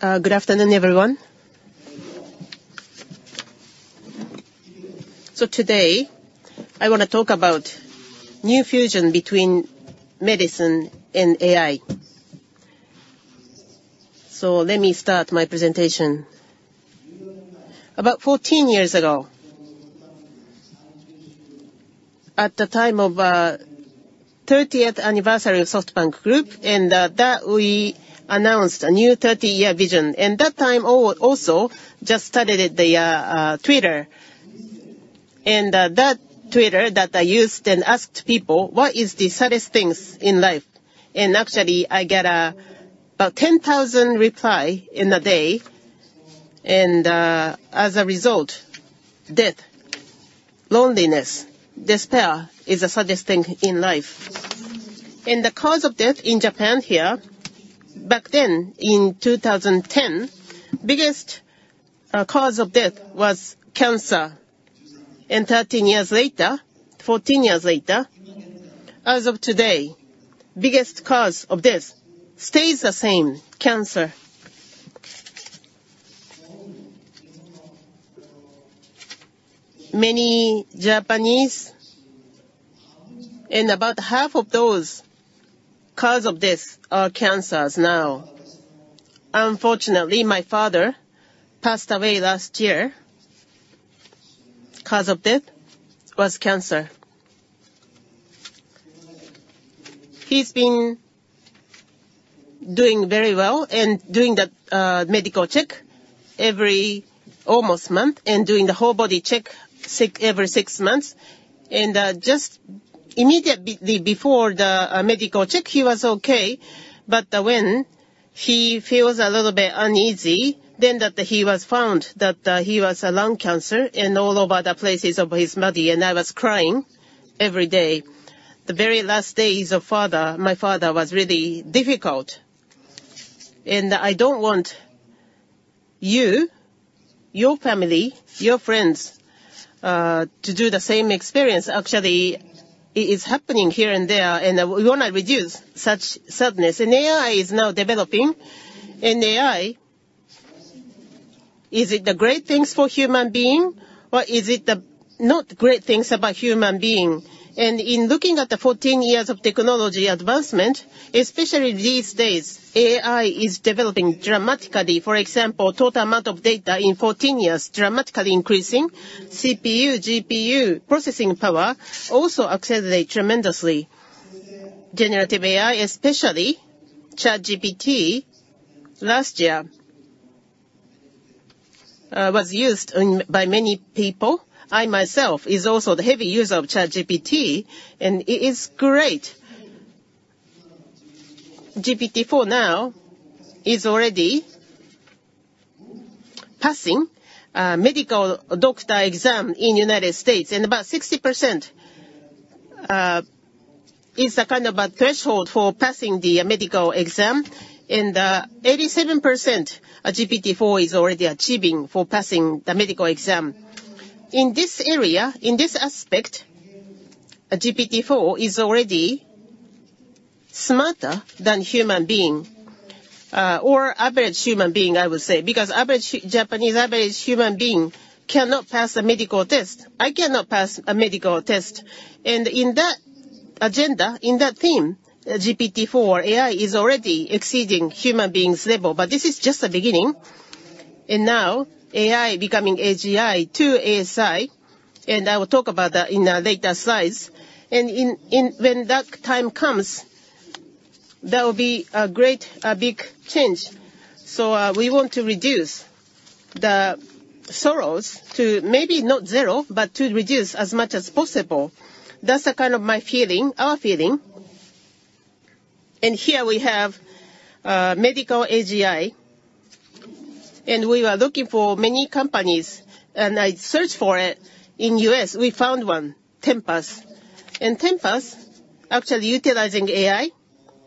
Good afternoon, everyone. Today, I wanna talk about new fusion between medicine and AI. Let me start my presentation. About 14 years ago, at the time of the 30th anniversary of SoftBank Group, we announced a new 30-year vision. At that time, Twitter also just started. I used that Twitter and asked people: "What is the saddest things in life?" Actually, I get about 10,000 reply in a day, and as a result, death, loneliness, despair is the saddest thing in life. The cause of death in Japan here, back then in 2010, biggest cause of death was cancer. Thirteen years later, 14 years later, as of today, biggest cause of death stays the same, cancer. Many Japanese and about half of those cause of death are cancers now. Unfortunately, my father passed away last year, cause of death was cancer. He's been doing very well and doing the medical check every almost month and doing the whole body check every six months. Just immediately before the medical check, he was okay. But when he feels a little bit uneasy, then that he was found that he has lung cancer and all over the places of his body, and I was crying every day. The very last days of father, my father, was really difficult, and I don't want you, your family, your friends to do the same experience. Actually, it is happening here and there, and we wanna reduce such sadness. AI is now developing, and AI... Is it the great things for human being, or is it the not great things about human being? In looking at the 14 years of technology advancement, especially these days, AI is developing dramatically. For example, total amount of data in 14 years dramatically increasing. CPU, GPU, processing power also accelerate tremendously. Generative AI, especially ChatGPT, last year, was used, by many people. I myself is also the heavy user of ChatGPT, and it is great. GPT-4 now is already passing, medical doctor exam in United States, and about 60%, is a kind of a threshold for passing the medical exam. Eighty-seven percent, GPT-4 is already achieving for passing the medical exam. In this area, in this aspect, GPT-4 is already smarter than human being, or average human being, I would say, because average Japanese average human being cannot pass a medical test. I cannot pass a medical test. And in that agenda, in that theme, GPT-4, AI is already exceeding human beings' level, but this is just the beginning. And now AI becoming AGI to ASI, and I will talk about that in a later slides. And in, when that time comes, there will be a great, a big change. So, we want to reduce the sorrows to maybe not zero, but to reduce as much as possible. That's the kind of my feeling, our feeling. And here we have, medical AGI, and we are looking for many companies, and I searched for it in US. We found one, Tempus. Tempus, actually utilizing AI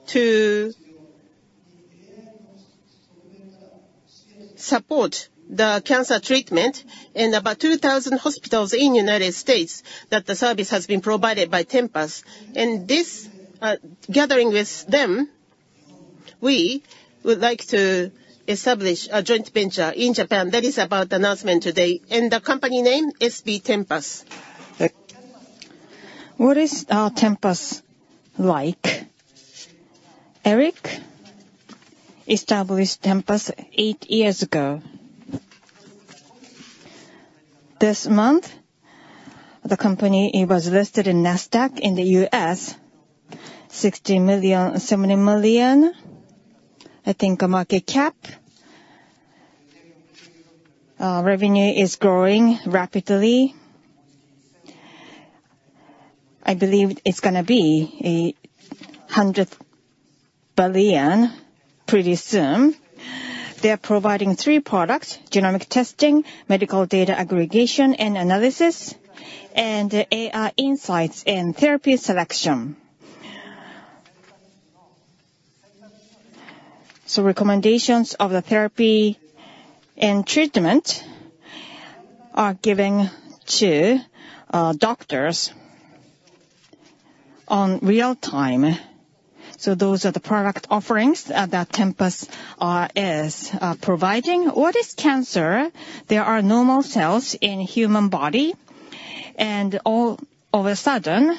to support the cancer treatment, and about 2,000 hospitals in the United States that the service has been provided by Tempus. This, gathering with them, we would like to establish a joint venture in Japan. That is about the announcement today, and the company name is the Tempus. What is, Tempus like? Eric established Tempus eight years ago. This month, the company, it was listed in NASDAQ in the U.S., $60 million-$70 million, I think, a market cap. Revenue is growing rapidly. I believe it's gonna be $100 billion pretty soon. They're providing three products: genomic testing, medical data aggregation and analysis, and AI insights and therapy selection. So recommendations of the therapy and treatment are given to, doctors.... on real time. So those are the product offerings that Tempus is providing. What is cancer? There are normal cells in human body, and all of a sudden,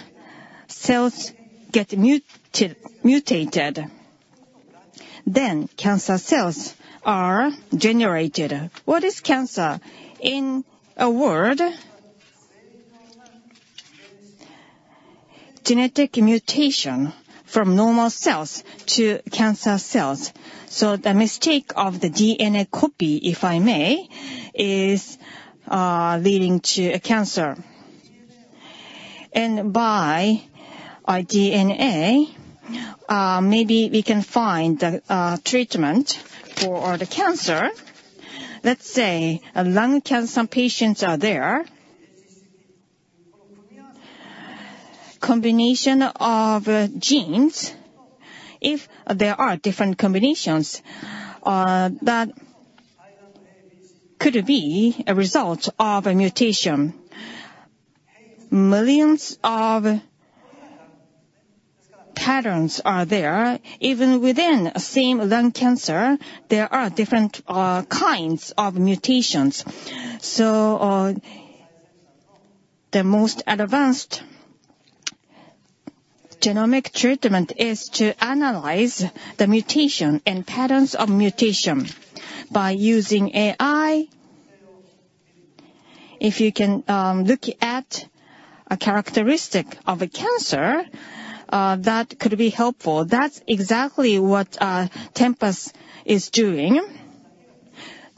cells get mutated. Then cancer cells are generated. What is cancer? In a word, genetic mutation from normal cells to cancer cells. So the mistake of the DNA copy, if I may, is leading to a cancer. And by our DNA, maybe we can find the treatment for the cancer. Let's say, lung cancer patients are there. Combination of genes, if there are different combinations, that could be a result of a mutation. Millions of patterns are there. Even within the same lung cancer, there are different kinds of mutations. So the most advanced genomic treatment is to analyze the mutation and patterns of mutation by using AI. If you can, look at a characteristic of a cancer, that could be helpful. That's exactly what, Tempus is doing.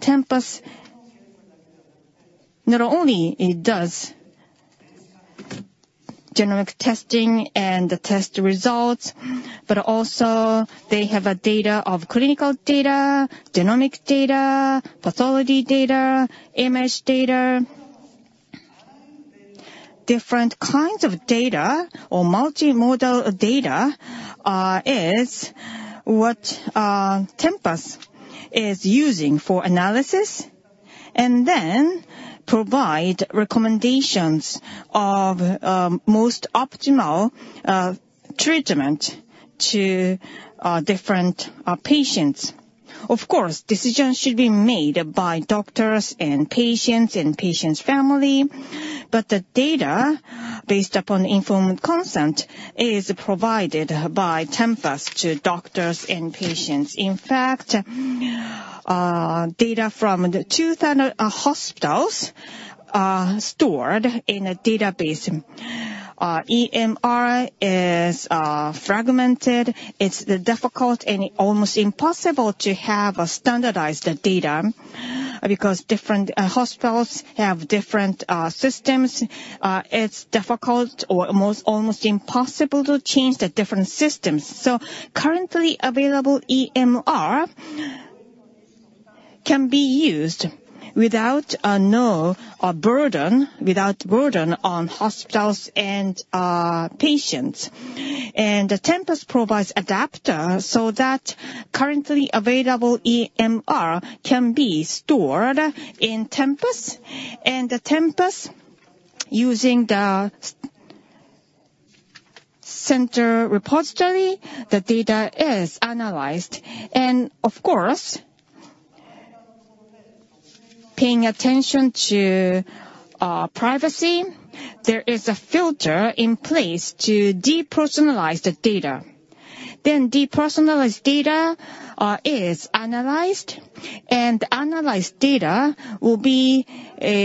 Tempus, not only it does genomic testing and the test results, but also they have a data of clinical data, genomic data, pathology data, image data. Different kinds of data or multimodal data, is what, Tempus is using for analysis, and then provide recommendations of, most optimal, treatment to, different, patients. Of course, decisions should be made by doctors and patients and patient's family, but the data, based upon informed consent, is provided by Tempus to doctors and patients. In fact, data from the 2,000 hospitals are stored in a database. EMR is, fragmented. It's the difficult and almost impossible to have a standardized data, because different, hospitals have different, systems. It's difficult, almost impossible to change the different systems. Currently available EMR can be used without burden on hospitals and patients. Tempus provides Adapter, so that currently available EMR can be stored in Tempus, and Tempus, using the central repository, the data is analyzed. Of course, paying attention to privacy, there is a filter in place to de-identify the data. De-identified data is analyzed, and analyzed data will be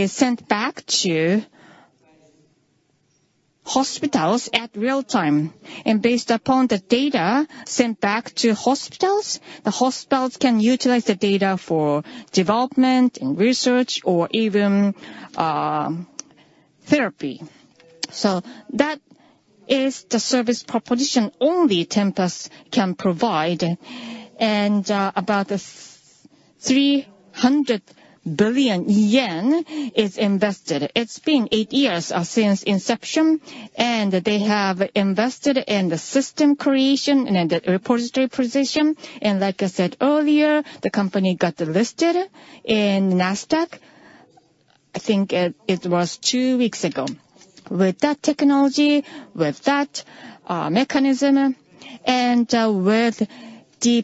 sent back to hospitals in real time. Based upon the data sent back to hospitals, the hospitals can utilize the data for development and research or even therapy. That is the service proposition only Tempus can provide, and about 300 billion yen is invested. It's been eight years since inception, and they have invested in the system creation and the repository position. Like I said earlier, the company got listed in NASDAQ. I think it was two weeks ago. With that technology, with that mechanism, and with the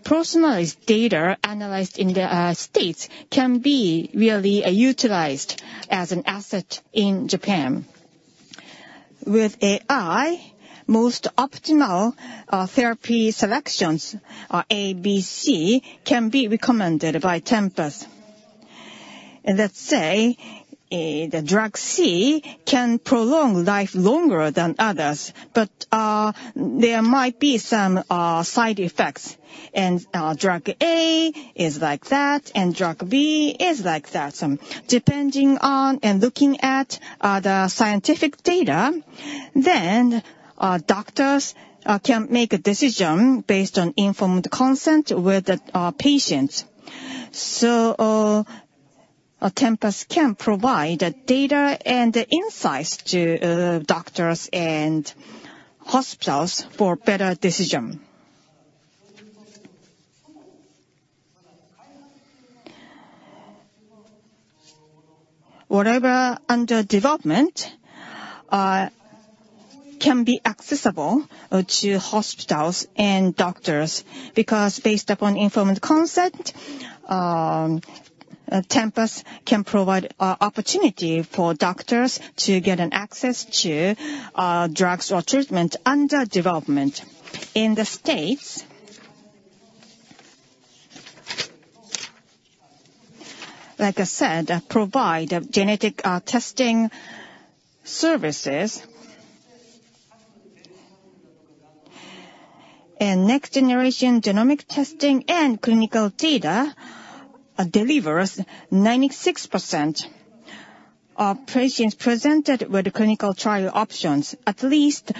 personalized data analyzed in the States, can be really utilized as an asset in Japan. With AI, most optimal therapy selections A, B, C can be recommended by Tempus. Let's say the drug C can prolong life longer than others, but there might be some side effects. And drug A is like that, and drug B is like that. So depending on and looking at the scientific data, then doctors can make a decision based on informed consent with the patients. So, Tempus can provide the data and the insights to doctors and hospitals for better decision. Whatever under development can be accessible to hospitals and doctors, because based upon informed consent, Tempus can provide opportunity for doctors to get an access to drugs or treatment under development. In the States, like I said, provide genetic testing services. And next generation genomic testing and clinical data delivers 96% of patients presented with the clinical trial options. At least,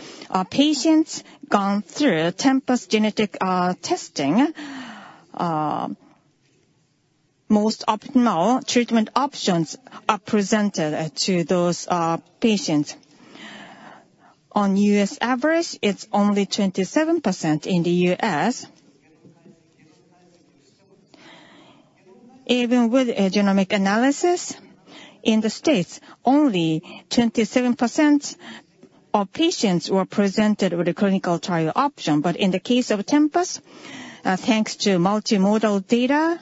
patients gone through Tempus genetic testing, most optimal treatment options are presented to those patients. On US average, it's only 27% in the US. Even with a genomic analysis, in the States, only 27% of patients were presented with a clinical trial option. But in the case of Tempus, thanks to multimodal data,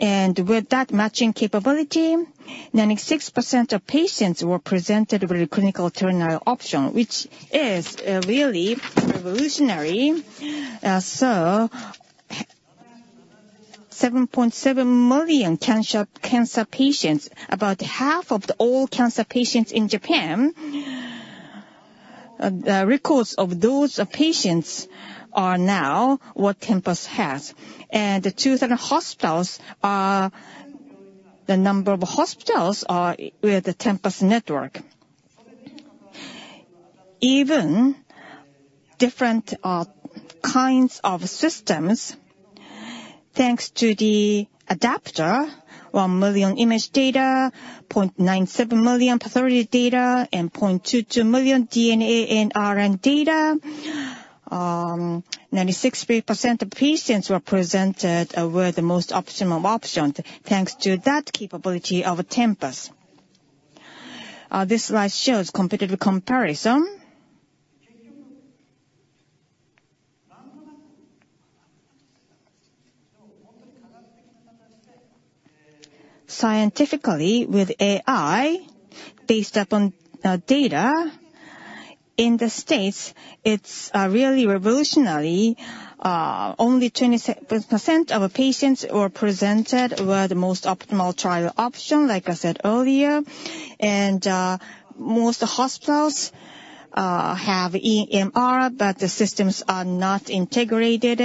and with that matching capability, 96% of patients were presented with a clinical trial option, which is really revolutionary. So 7.7 million cancer, cancer patients, about half of the all cancer patients in Japan, the records of those patients are now what Tempus has. And the 2,000 hospitals are the number of hospitals are with the Tempus network. Even different kinds of systems, thanks to the adapter, 1 million image data, 0.97 million pathology data, and 0.22 million DNA and RNA data, 96% of patients were presented with the most optimal option, thanks to that capability of Tempus. This slide shows competitive comparison. Scientifically, with AI, based upon data, in the States, it's really revolutionary. Only 27% of patients who are presented were the most optimal trial option, like I said earlier. Most hospitals have EMR, but the systems are not integrated.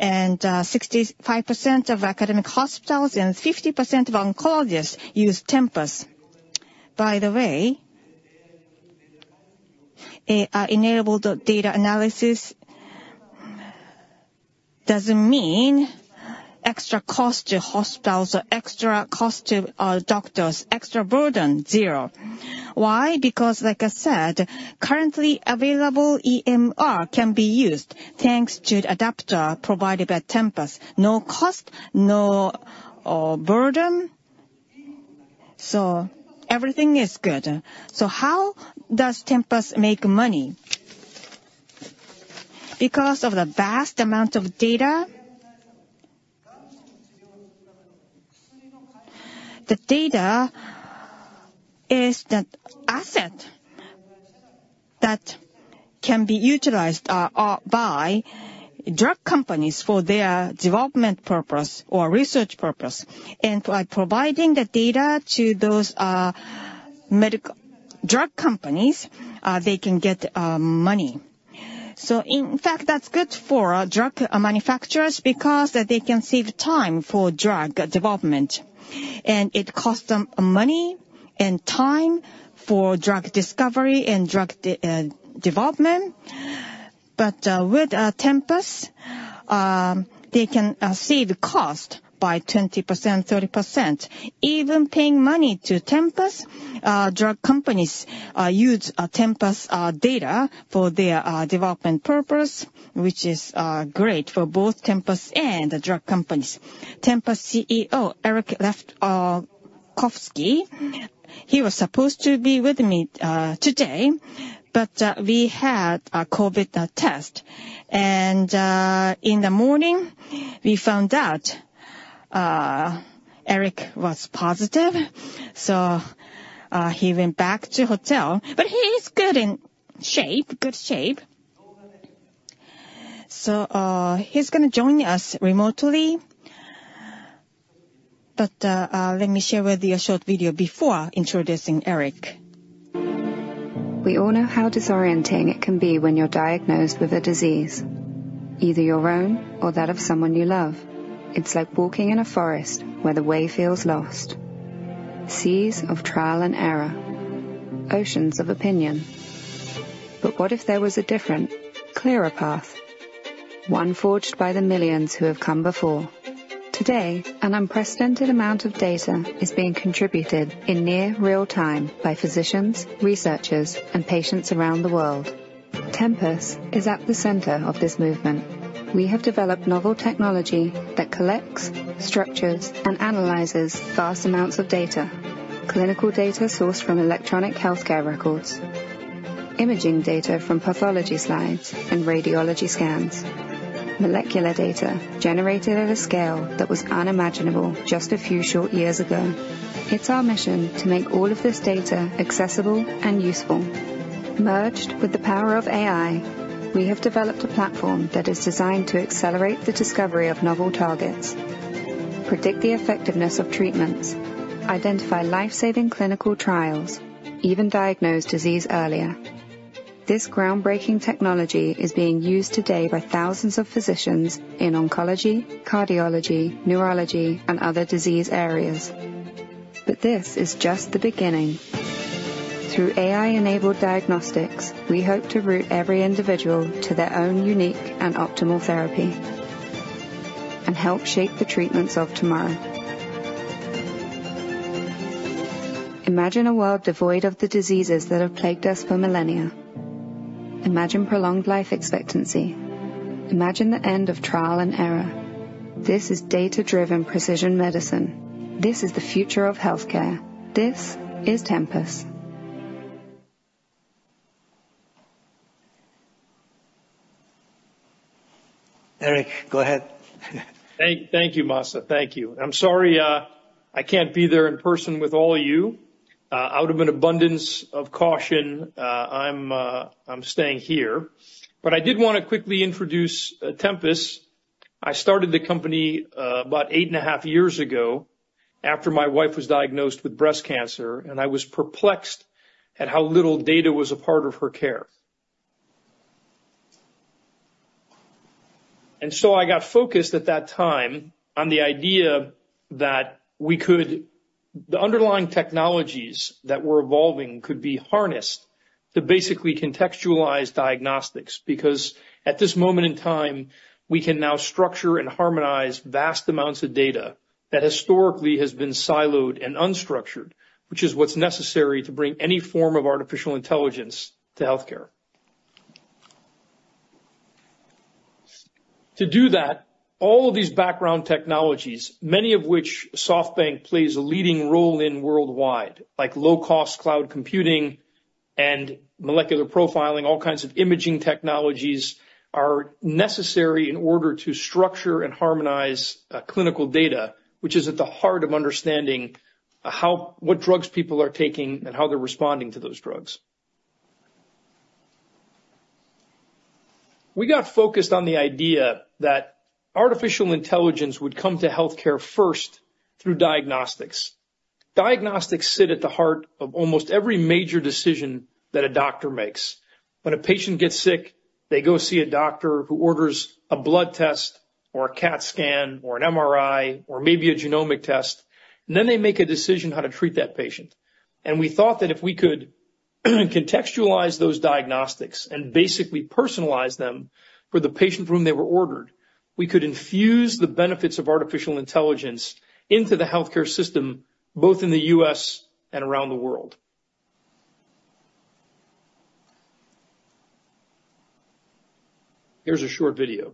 65% of academic hospitals and 50% of oncologists use Tempus. By the way, AI-enabled data analysis doesn't mean extra cost to hospitals or extra cost to doctors. Extra burden, zero. Why? Because like I said, currently available EMR can be used, thanks to the adapter provided by Tempus. No cost, no burden, so everything is good. So how does Tempus make money? Because of the vast amount of data, the data is the asset that can be utilized by drug companies for their development purpose or research purpose. By providing the data to those drug companies, they can get money. So in fact, that's good for drug manufacturers because they can save time for drug development, and it costs them money and time for drug discovery and drug development. But with Tempus, they can save cost by 20%-30%. Even paying money to Tempus, drug companies use Tempus data for their development purpose, which is great for both Tempus and the drug companies. Tempus CEO Eric Lefkofsky, he was supposed to be with me today, but we had a COVID test. And in the morning, we found out Eric was positive, so he went back to hotel. But he is good in shape, good shape. So he's gonna join us remotely, but let me share with you a short video before introducing Eric. We all know how disorienting it can be when you're diagnosed with a disease, either your own or that of someone you love. It's like walking in a forest where the way feels lost. Seas of trial and error, oceans of opinion. But what if there was a different, clearer path? One forged by the millions who have come before. Today, an unprecedented amount of data is being contributed in near real time by physicians, researchers, and patients around the world.... Tempus is at the center of this movement. We have developed novel technology that collects, structures, and analyzes vast amounts of data, clinical data sourced from electronic healthcare records, imaging data from pathology slides and radiology scans, molecular data generated at a scale that was unimaginable just a few short years ago. It's our mission to make all of this data accessible and useful. Merged with the power of AI, we have developed a platform that is designed to accelerate the discovery of novel targets, predict the effectiveness of treatments, identify life-saving clinical trials, even diagnose disease earlier. This groundbreaking technology is being used today by thousands of physicians in oncology, cardiology, neurology, and other disease areas. But this is just the beginning. Through AI-enabled diagnostics, we hope to route every individual to their own unique and optimal therapy, and help shape the treatments of tomorrow. Imagine a world devoid of the diseases that have plagued us for millennia. Imagine prolonged life expectancy. Imagine the end of trial and error. This is data-driven precision medicine. This is the future of healthcare. This is Tempus. Eric, go ahead. Thank you, Masa. Thank you. I'm sorry, I can't be there in person with all of you. Out of an abundance of caution, I'm staying here. But I did wanna quickly introduce Tempus. I started the company about 8.5 years ago after my wife was diagnosed with breast cancer, and I was perplexed at how little data was a part of her care. And so I got focused at that time on the idea that we could... The underlying technologies that were evolving could be harnessed to basically contextualize diagnostics, because at this moment in time, we can now structure and harmonize vast amounts of data that historically has been siloed and unstructured, which is what's necessary to bring any form of artificial intelligence to healthcare. To do that, all of these background technologies, many of which SoftBank plays a leading role in worldwide, like low-cost cloud computing and molecular profiling, all kinds of imaging technologies, are necessary in order to structure and harmonize clinical data, which is at the heart of understanding what drugs people are taking and how they're responding to those drugs. We got focused on the idea that artificial intelligence would come to healthcare first through diagnostics. Diagnostics sit at the heart of almost every major decision that a doctor makes. When a patient gets sick, they go see a doctor who orders a blood test, or a CAT scan, or an MRI, or maybe a genomic test, and then they make a decision how to treat that patient. We thought that if we could contextualize those diagnostics and basically personalize them for the patient for whom they were ordered, we could infuse the benefits of artificial intelligence into the healthcare system, both in the U.S. and around the world. Here's a short video.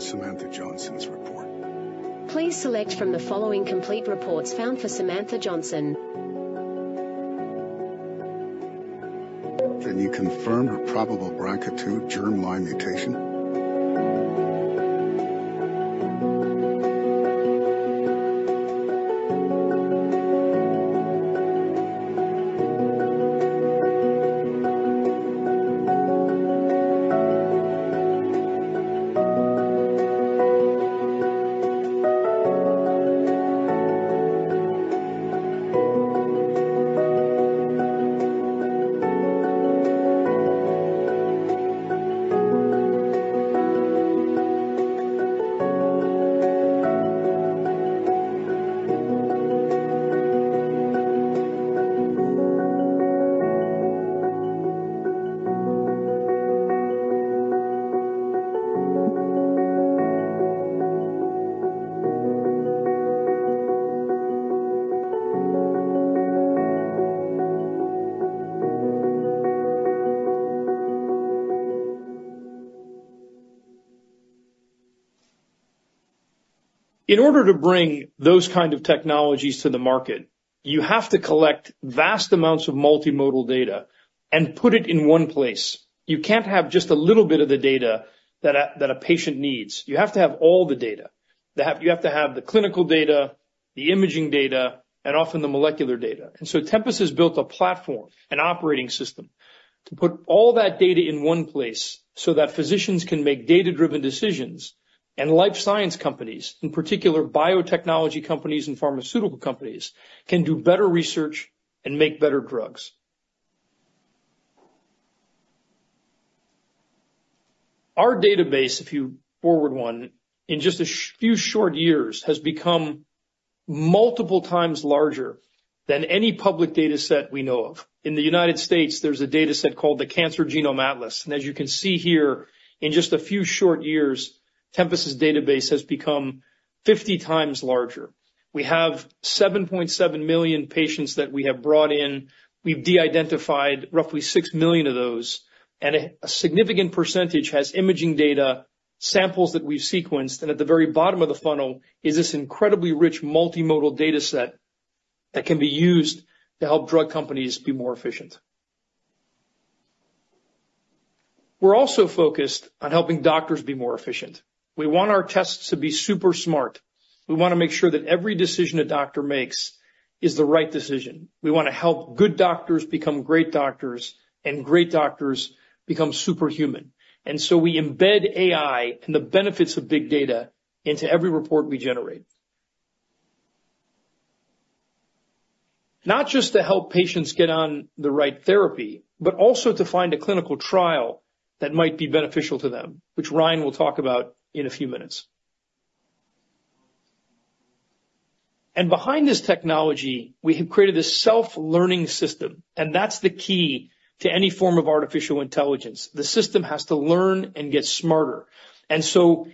Open Samantha Johnson's report. Please select from the following complete reports found for Samantha Johnson. Can you confirm her probable BRCA2 germline mutation? ...In order to bring those kind of technologies to the market, you have to collect vast amounts of multimodal data and put it in one place. You can't have just a little bit of the data that a patient needs. You have to have all the data. You have to have the clinical data, the imaging data, and often the molecular data. And so Tempus has built a platform, an operating system, to put all that data in one place so that physicians can make data-driven decisions, and life science companies, in particular, biotechnology companies and pharmaceutical companies, can do better research and make better drugs. Our database, if you forward one, in just a few short years, has become multiple times larger than any public data set we know of. In the United States, there's a data set called the Cancer Genome Atlas, and as you can see here, in just a few short years, Tempus's database has become 50x larger. We have 7.7 million patients that we have brought in. We've de-identified roughly six million of those, and a significant percentage has imaging data, samples that we've sequenced, and at the very bottom of the funnel is this incredibly rich multimodal data set that can be used to help drug companies be more efficient. We're also focused on helping doctors be more efficient. We want our tests to be super smart. We want to make sure that every decision a doctor makes is the right decision. We want to help good doctors become great doctors, and great doctors become superhuman. And so we embed AI and the benefits of big data into every report we generate. Not just to help patients get on the right therapy, but also to find a clinical trial that might be beneficial to them, which Ryan will talk about in a few minutes. And behind this technology, we have created this self-learning system, and that's the key to any form of artificial intelligence. The system has to learn and get smarter. And so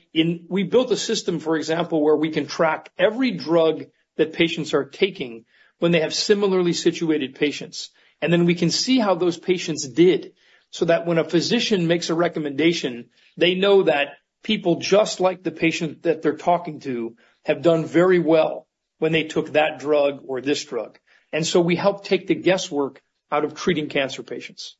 we built a system, for example, where we can track every drug that patients are taking when they have similarly situated patients, and then we can see how those patients did, so that when a physician makes a recommendation, they know that people just like the patient that they're talking to, have done very well when they took that drug or this drug. And so we help take the guesswork out of treating cancer patients.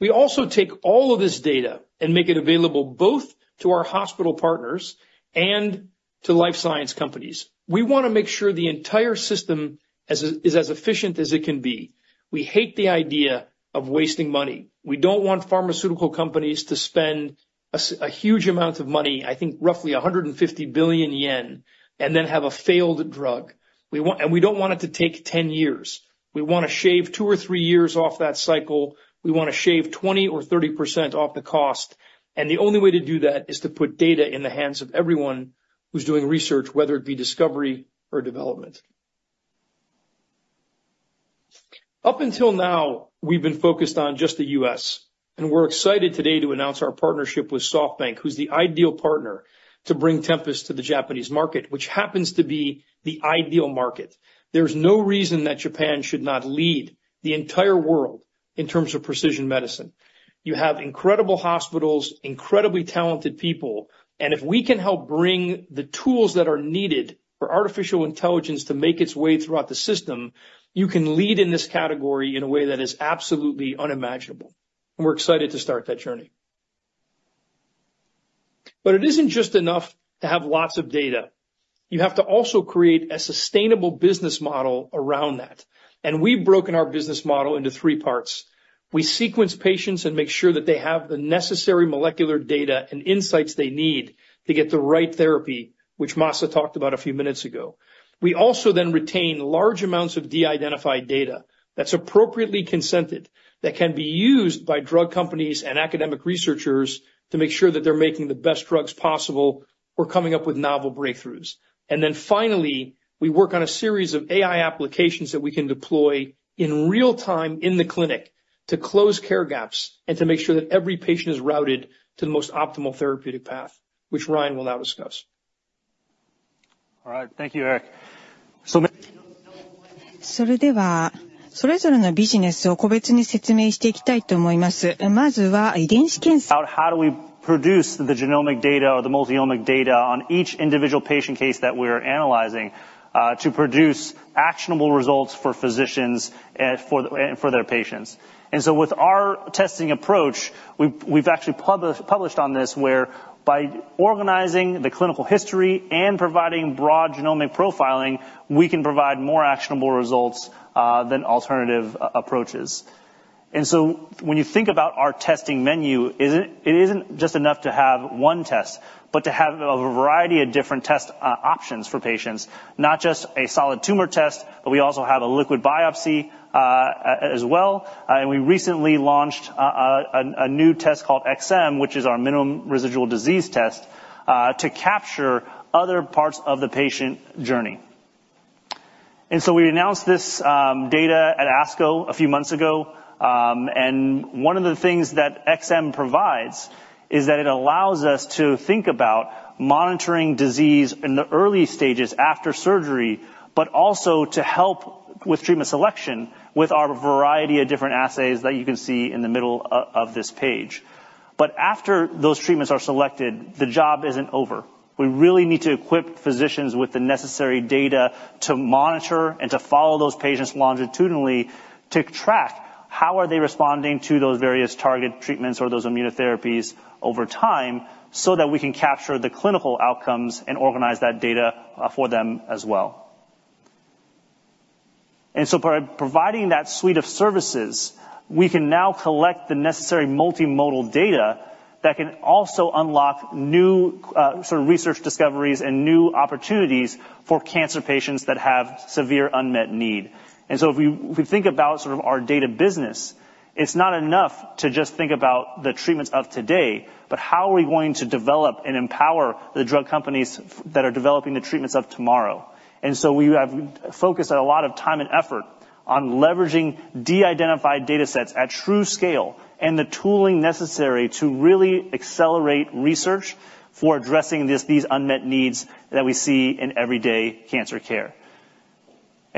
We also take all of this data and make it available both to our hospital partners and to life science companies. We want to make sure the entire system is as efficient as it can be. We hate the idea of wasting money. We don't want pharmaceutical companies to spend a huge amount of money, I think roughly 150 billion yen, and then have a failed drug. We want and we don't want it to take 10 years. We want to shave two or three years off that cycle. We want to shave 20% or 30% off the cost, and the only way to do that is to put data in the hands of everyone who's doing research, whether it be discovery or development. Up until now, we've been focused on just the U.S., and we're excited today to announce our partnership with SoftBank, who's the ideal partner to bring Tempus to the Japanese market, which happens to be the ideal market. There's no reason that Japan should not lead the entire world in terms of precision medicine. You have incredible hospitals, incredibly talented people, and if we can help bring the tools that are needed for artificial intelligence to make its way throughout the system, you can lead in this category in a way that is absolutely unimaginable, and we're excited to start that journey. But it isn't just enough to have lots of data. You have to also create a sustainable business model around that, and we've broken our business model into three parts. We sequence patients and make sure that they have the necessary molecular data and insights they need to get the right therapy, which Masa talked about a few minutes ago. We also then retain large amounts of de-identified data that's appropriately consented, that can be used by drug companies and academic researchers to make sure that they're making the best drugs possible or coming up with novel breakthroughs. And then finally, we work on a series of AI applications that we can deploy in real time in the clinic to close care gaps and to make sure that every patient is routed to the most optimal therapeutic path, which Ryan will now discuss. All right. Thank you, Eric. How do we produce the genomic data or the multi-omic data on each individual patient case that we're analyzing, to produce actionable results for physicians and for their patients? And so with our testing approach, we've actually published on this, where by organizing the clinical history and providing broad genomic profiling, we can provide more actionable results than alternative approaches. And so when you think about our testing menu, isn't it just enough to have one test, but to have a variety of different test options for patients, not just a solid tumor test, but we also have a liquid biopsy as well. And we recently launched a new test called xM, which is our minimal residual disease test, to capture other parts of the patient journey. And so we announced this data at ASCO a few months ago, and one of the things that xM provides is that it allows us to think about monitoring disease in the early stages after surgery, but also to help with treatment selection with our variety of different assays that you can see in the middle of this page... But after those treatments are selected, the job isn't over. We really need to equip physicians with the necessary data to monitor and to follow those patients longitudinally, to track how are they responding to those various targeted treatments or those immunotherapies over time, so that we can capture the clinical outcomes and organize that data, for them as well. And so by providing that suite of services, we can now collect the necessary multimodal data that can also unlock new, sort of research discoveries and new opportunities for cancer patients that have severe unmet need. And so if we think about sort of our data business, it's not enough to just think about the treatments of today, but how are we going to develop and empower the drug companies that are developing the treatments of tomorrow? And so we have focused a lot of time and effort on leveraging de-identified datasets at true scale, and the tooling necessary to really accelerate research for addressing these unmet needs that we see in everyday cancer care.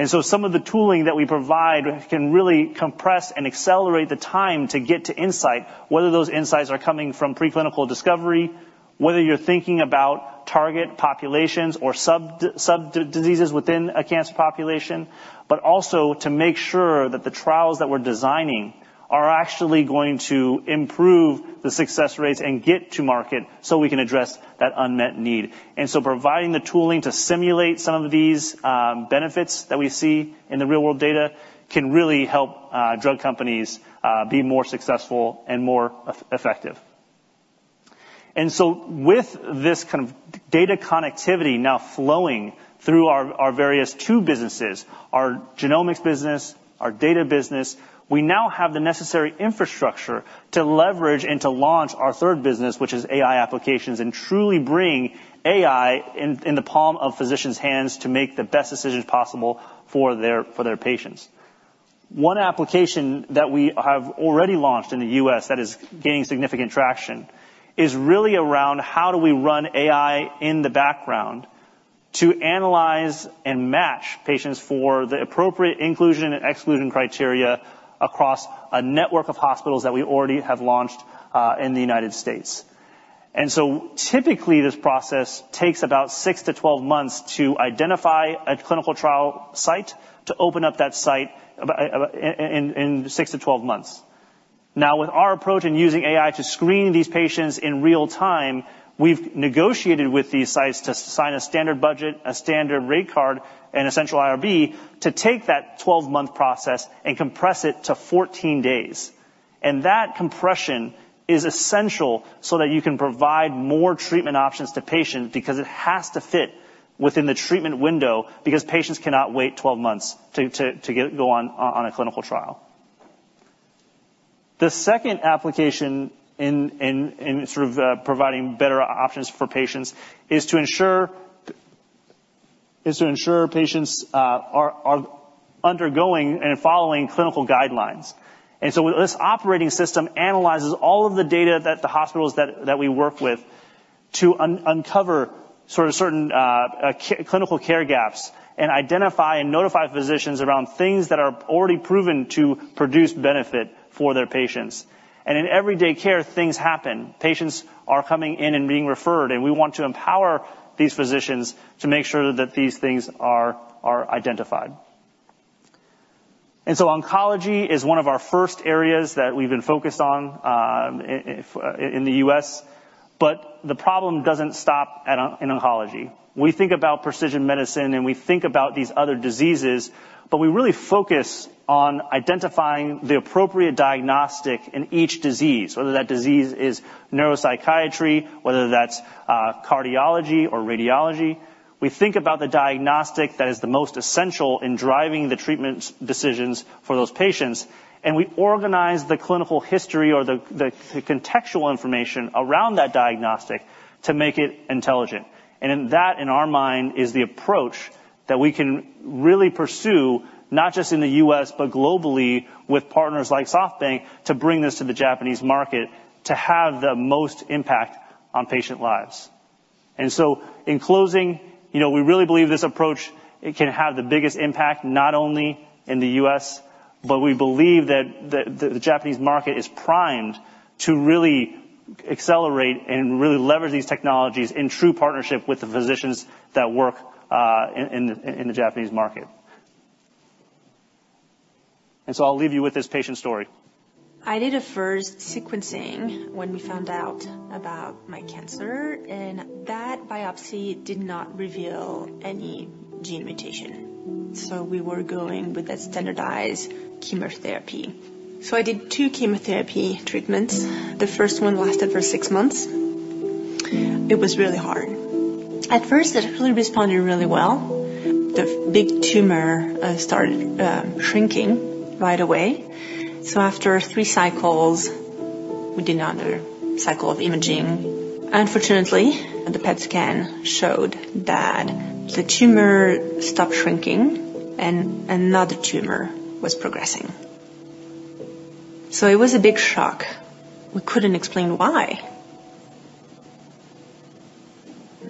Some of the tooling that we provide can really compress and accelerate the time to get to insight, whether those insights are coming from preclinical discovery, whether you're thinking about target populations or sub-diseases within a cancer population, but also to make sure that the trials that we're designing are actually going to improve the success rates and get to market, so we can address that unmet need. Providing the tooling to simulate some of these benefits that we see in the real-world data can really help drug companies be more successful and more effective. And so with this kind of data connectivity now flowing through our various two businesses, our genomics business, our data business, we now have the necessary infrastructure to leverage and to launch our third business, which is AI applications, and truly bring AI in the palm of physicians' hands to make the best decisions possible for their patients. One application that we have already launched in the U.S. that is gaining significant traction is really around how do we run AI in the background to analyze and match patients for the appropriate inclusion and exclusion criteria across a network of hospitals that we already have launched in the United States. And so typically, this process takes about six to 12 months to identify a clinical trial site, to open up that site in six to 12 months. Now, with our approach in using AI to screen these patients in real time, we've negotiated with these sites to sign a standard budget, a standard rate card, and a central IRB to take that 12-month process and compress it to 14 days. That compression is essential so that you can provide more treatment options to patients, because it has to fit within the treatment window, because patients cannot wait 12 months to get on a clinical trial. The second application in sort of providing better options for patients is to ensure patients are undergoing and following clinical guidelines. This operating system analyzes all of the data that the hospitals that we work with to uncover sort of certain clinical care gaps, and identify and notify physicians around things that are already proven to produce benefit for their patients. In everyday care, things happen. Patients are coming in and being referred, and we want to empower these physicians to make sure that these things are identified. Oncology is one of our first areas that we've been focused on in the U.S., but the problem doesn't stop in oncology. We think about precision medicine, and we think about these other diseases, but we really focus on identifying the appropriate diagnostic in each disease, whether that disease is neuropsychiatry, whether that's cardiology or radiology. We think about the diagnostic that is the most essential in driving the treatment decisions for those patients, and we organize the clinical history or the contextual information around that diagnostic to make it intelligent. And that, in our mind, is the approach that we can really pursue, not just in the U.S., but globally with partners like SoftBank, to bring this to the Japanese market, to have the most impact on patient lives. And so in closing, you know, we really believe this approach. It can have the biggest impact, not only in the U.S., but we believe that the Japanese market is primed to really accelerate and really leverage these technologies in true partnership with the physicians that work in the Japanese market. And so I'll leave you with this patient story. I did a first sequencing when we found out about my cancer, and that biopsy did not reveal any gene mutation, so we were going with a standardized chemotherapy. So I did two chemotherapy treatments. The first one lasted for six months. It was really hard. At first, it really responded really well. The big tumor started shrinking right away. So after three cycles, we did another cycle of imaging. Unfortunately, the PET scan showed that the tumor stopped shrinking and another tumor was progressing. So it was a big shock. We couldn't explain why.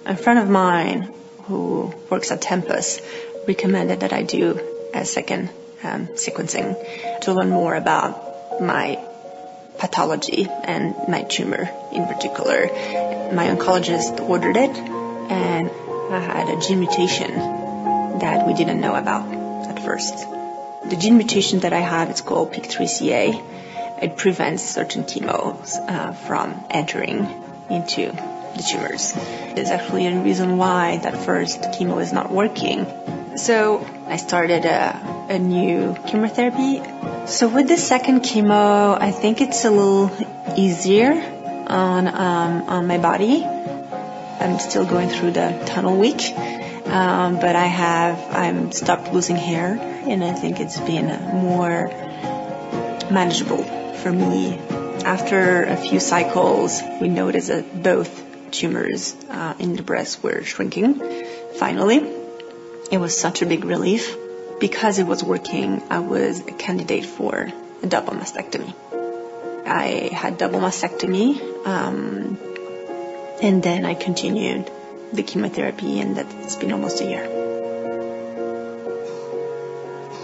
A friend of mine who works at Tempus recommended that I do a second sequencing to learn more about my pathology and my tumor in particular. My oncologist ordered it, and I had a gene mutation that we didn't know about at first. The gene mutation that I have, it's called PIK3CA. It prevents certain chemos from entering into the tumors. It's actually a reason why the first chemo is not working. So I started a new chemotherapy. So with the second chemo, I think it's a little easier on my body. I'm still going through the tunnel week, but I'm stopped losing hair, and I think it's been more manageable for me. After a few cycles, we noticed that both tumors in the breast were shrinking, finally. It was such a big relief. Because it was working, I was a candidate for a double mastectomy. I had double mastectomy, and then I continued the chemotherapy, and that's been almost a year.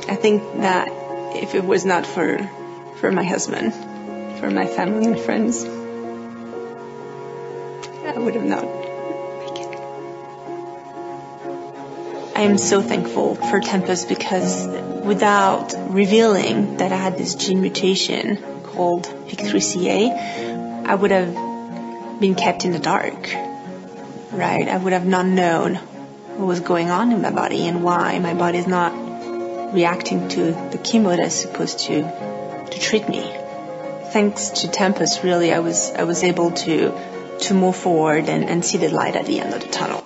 I think that if it was not for my husband, for my family and friends, I would have not make it. I am so thankful for Tempus, because without revealing that I had this gene mutation called PIK3CA, I would have been kept in the dark, right? I would have not known what was going on in my body and why my body is not reacting to the chemo that is supposed to treat me. Thanks to Tempus, really, I was able to move forward and see the light at the end of the tunnel.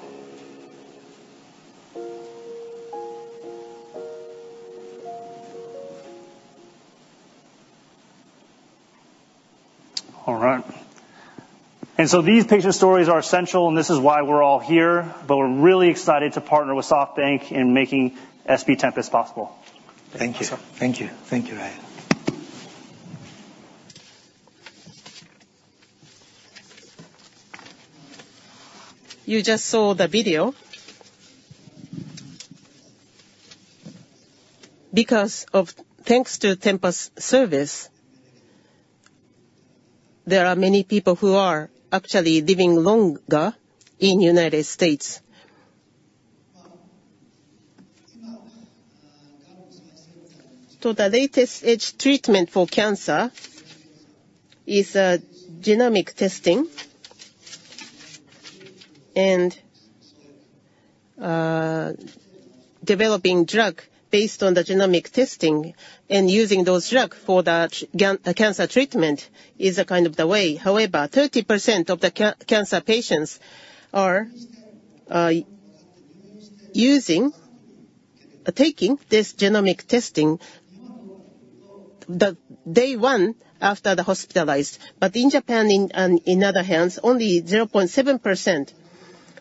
All right. And so these patient stories are essential, and this is why we're all here, but we're really excited to partner with SoftBank in making SB Tempus possible. Thank you. Thank you. Thank you, Ryan. You just saw the video. Because of thanks to Tempus service, there are many people who are actually living longer in United States. So the latest edge treatment for cancer is genomic testing, and developing drug based on the genomic testing and using those drug for the cancer treatment is a kind of the way. However, 30% of the cancer patients are using taking this genomic testing the day one after the hospitalized. But in Japan, in other hands, only 0.7%.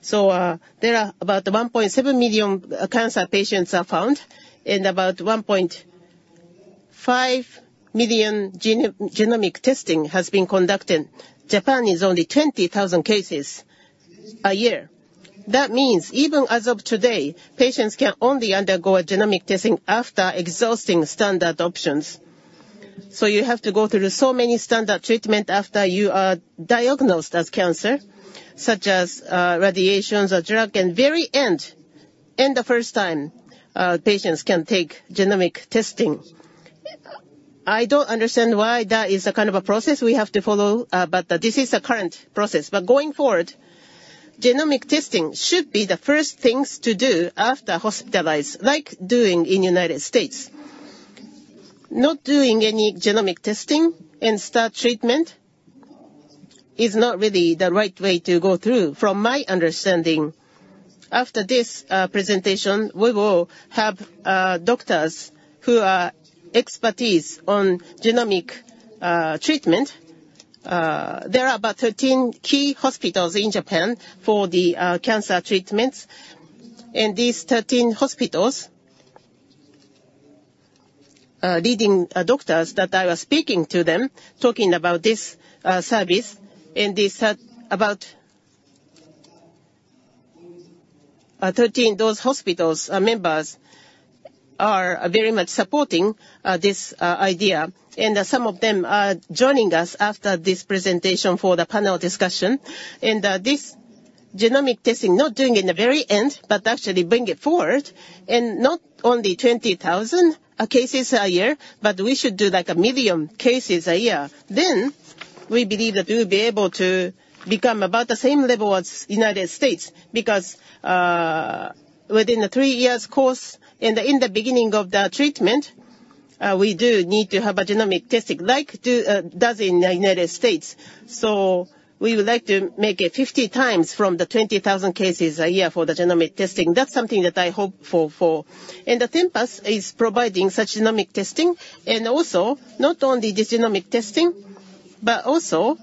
So there are about 1.7 million cancer patients are found, and about 1.5 million genomic testing has been conducted. Japan is only 20,000 cases a year. That means, even as of today, patients can only undergo a genomic testing after exhausting standard options. So you have to go through so many standard treatment after you are diagnosed as cancer, such as radiations or drug, and very end, in the first time, patients can take genomic testing. I don't understand why that is a kind of a process we have to follow, but this is the current process. But going forward, genomic testing should be the first things to do after hospitalized, like doing in United States. Not doing any genomic testing and start treatment is not really the right way to go through, from my understanding. After this presentation, we will have doctors who are expertise on genomic treatment. There are about 13 key hospitals in Japan for the cancer treatments. These 13 hospitals, leading doctors that I was speaking to them, talking about this service, and they said about 13 of those hospitals members are very much supporting this idea, and some of them are joining us after this presentation for the panel discussion. This genomic testing, not doing it in the very end, but actually bring it forward, and not only 20,000 cases a year, but we should do like 1 million cases a year. Then, we believe that we'll be able to become about the same level as United States, because within the three years course, and in the beginning of the treatment, we do need to have a genomic testing, like do, does in the United States. So we would like to make it 50x from the 20,000 cases a year for the genomic testing. That's something that I hope for. And Tempus is providing such genomic testing, and also, not only the genomic testing, but also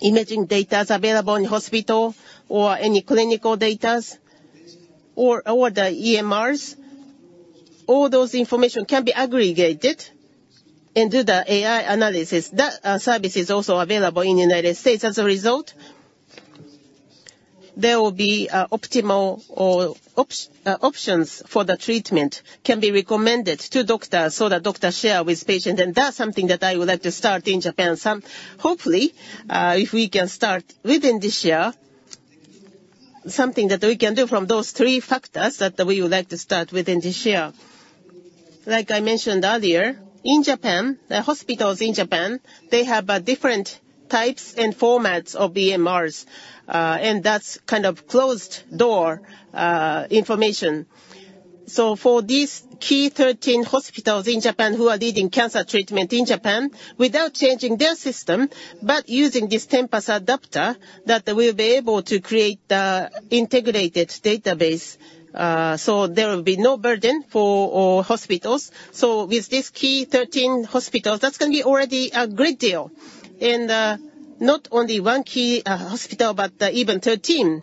imaging data is available in hospital or any clinical data or the EMRs. All those information can be aggregated and do the AI analysis. That service is also available in United States. As a result, there will be optimal options for the treatment can be recommended to doctor, so the doctor share with patient, and that's something that I would like to start in Japan. Hopefully, if we can start within this year, something that we can do from those three factors, that we would like to start within this year. Like I mentioned earlier, in Japan, the hospitals in Japan, they have different types and formats of EMRs, and that's kind of closed-door information. So for these key 13 hospitals in Japan who are leading cancer treatment in Japan, without changing their system, but using this Tempus adapter, that we'll be able to create the integrated database. So there will be no burden for our hospitals. So with these key 13 hospitals, that's gonna be already a great deal. And not only one key hospital, but even 13.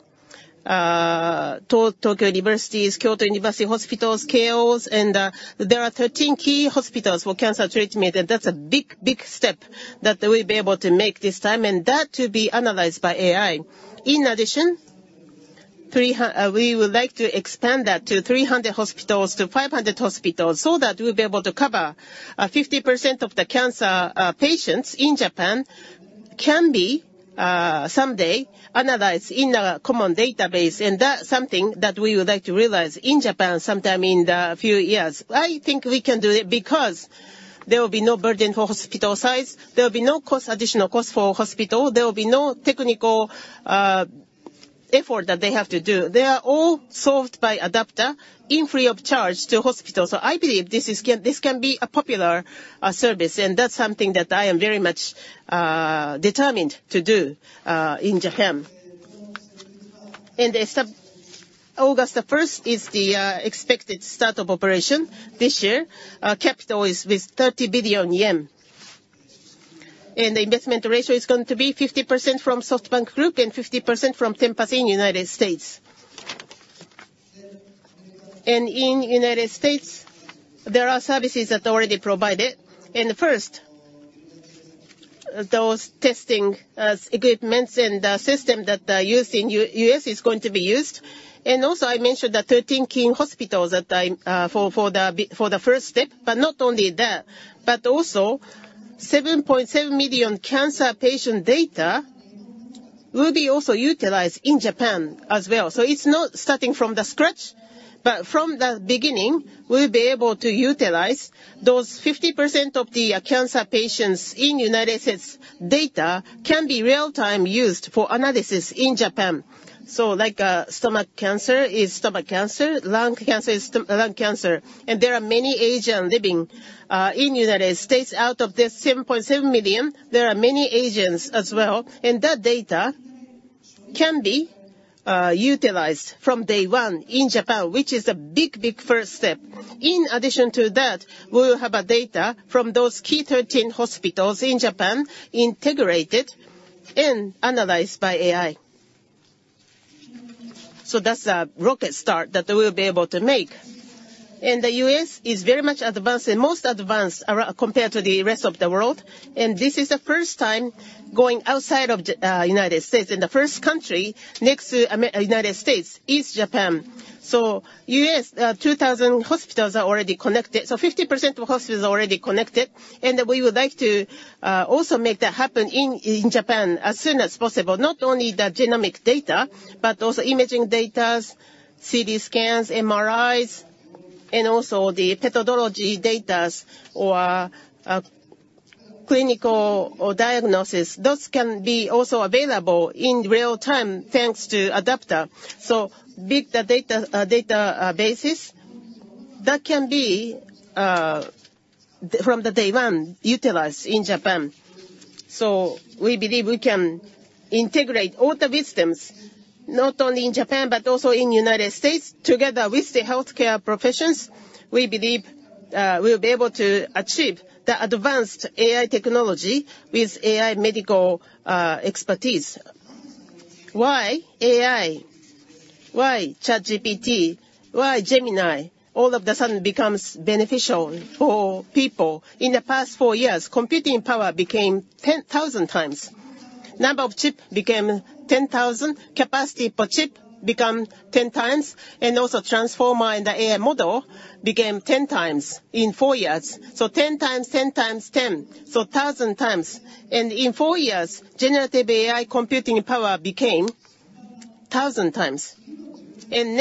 Tokyo University, Kyoto University Hospitals, Keio, and there are 13 key hospitals for cancer treatment, and that's a big, big step that we'll be able to make this time, and that to be analyzed by AI. In addition, we would like to expand that to 300 hospitals, to 500 hospitals, so that we'll be able to cover 50% of the cancer patients in Japan can be someday analyzed in a common database, and that's something that we would like to realize in Japan sometime in the few years. I think we can do it, because there will be no burden for hospital size, there will be no cost, additional cost for hospital, there will be no technical effort that they have to do. They are all solved by adapter in free of charge to hospitals. So I believe this can be a popular service, and that's something that I am very much determined to do in Japan. In the sub... August the first is the expected start of operation this year. Our capital is with 30 billion yen, and the investment ratio is going to be 50% from SoftBank Group and 50% from Tempus in United States. In United States, there are services that are already provided. First, those testing services equipments and the system that are used in US is going to be used. Also, I mentioned the 13 key hospitals that I'm for the first step, but not only that, but also 7.7 million cancer patient data will be also utilized in Japan as well. So it's not starting from scratch, but from the beginning, we'll be able to utilize those 50% of the cancer patients in United States. Data can be real time used for analysis in Japan. So like, stomach cancer is stomach cancer, lung cancer is lung cancer, and there are many Asian living in United States. Out of the 7.7 million, there are many Asians as well, and that data can be utilized from day one in Japan, which is a big, big first step. In addition to that, we will have a data from those key 13 hospitals in Japan, integrated and analyzed by AI. So that's a rocket start that we'll be able to make. The U.S. is very much advanced, and most advanced around compared to the rest of the world, and this is the first time going outside of United States, and the first country next to United States is Japan. So U.S., 2,000 hospitals are already connected, so 50% of hospitals are already connected, and we would like to also make that happen in, in Japan as soon as possible. Not only the genomic data, but also imaging data, CT scans, MRIs, and also the pathology data or, clinical or diagnosis, those can be also available in real time, thanks to adapter. So big the data, data basis, that can be from the day one, utilized in Japan. So we believe we can integrate all the wisdoms, not only in Japan, but also in United States. Together with the healthcare professionals, we believe, we'll be able to achieve the advanced AI technology with AI medical, expertise. Why AI? Why ChatGPT? Why Gemini all of the sudden becomes beneficial for people? In the past four years, computing power became 10,000x. Number of chip became 10,000. Capacity per chip become 10x, and also transformer in the AI model became 10x in four years. So 10x, 10x 10, so 1,000x. And in four years, generative AI computing power became 1,000x. And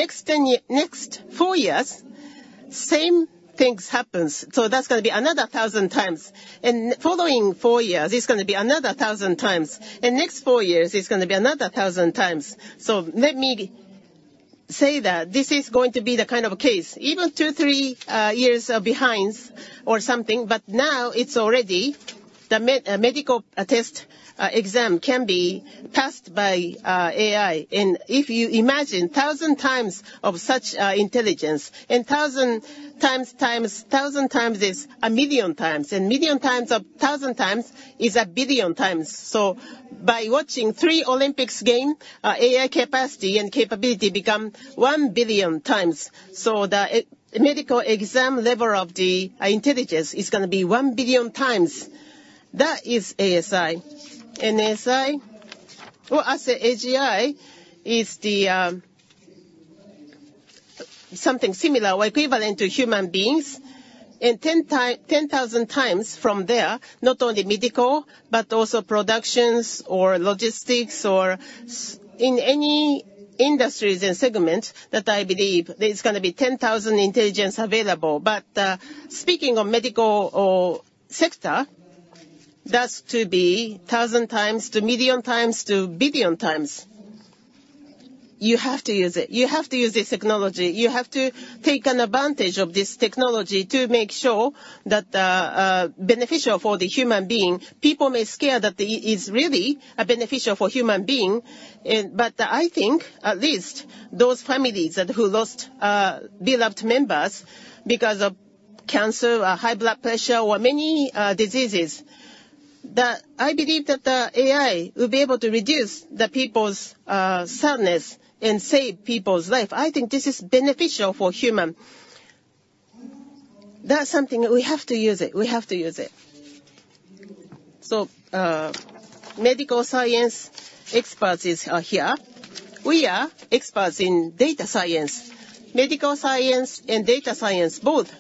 next four years, same things happens, so that's gonna be another 1,000x. And following four years, it's gonna be another 1,000x, and next four years, it's gonna be another 1,000x. So let me say that this is going to be the kind of case, even two, three years behind or something, but now it's already the medical test exam can be passed by AI. If you imagine 1,000x of such intelligence, and 1,000x 1,000x is a million times, and million times of 1,000x is a billion times. So by watching three Olympics game, AI capacity and capability become one billion times. So the medical exam level of the intelligence is gonna be one billion times. That is ASI, and ASI, or I say AGI, is the something similar or equivalent to human beings, and ten thousand times from there, not only medical, but also productions or logistics or in any industries and segments that I believe there's gonna be ten thousand intelligence available. But speaking of medical or sector, that's to be 1,000x to million times to billion times. You have to use it. You have to use this technology. You have to take an advantage of this technology to make sure that, beneficial for the human being. People may scare that it is really, beneficial for human being, and but I think, at least, those families that who lost, beloved members because of cancer or high blood pressure or many, diseases, that I believe that the AI will be able to reduce the people's, sadness and save people's life. I think this is beneficial for human. That's something we have to use it, we have to use it. So, medical science experts is, are here. We are experts in data science, medical science, and data science both.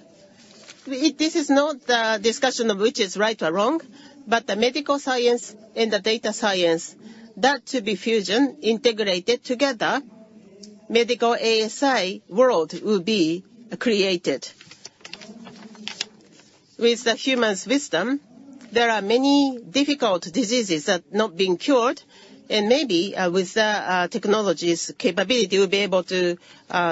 We-- This is not the discussion of which is right or wrong, but the medical science and the data science, that to be fusion integrated together, medical ASI world will be created. With the human's wisdom, there are many difficult diseases that not been cured, and maybe, with the, technology's capability, we'll be able to,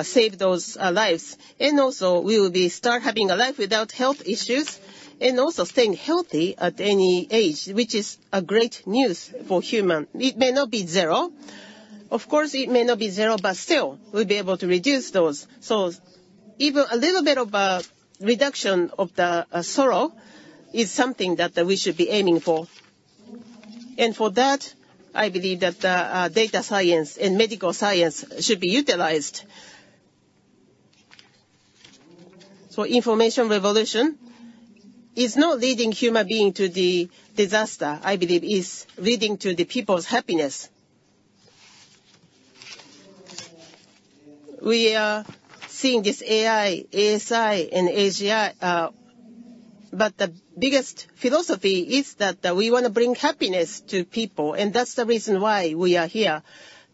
save those, lives. And also, we will be start having a life without health issues and also staying healthy at any age, which is a great news for human. It may not be zero. Of course, it may not be zero, but still, we'll be able to reduce those. So even a little bit of a reduction of the, sorrow is something that, we should be aiming for. And for that, I believe that, data science and medical science should be utilized. So information revolution is not leading human being to the disaster, I believe is leading to the people's happiness. We are seeing this AI, ASI, and AGI, but the biggest philosophy is that we wanna bring happiness to people, and that's the reason why we are here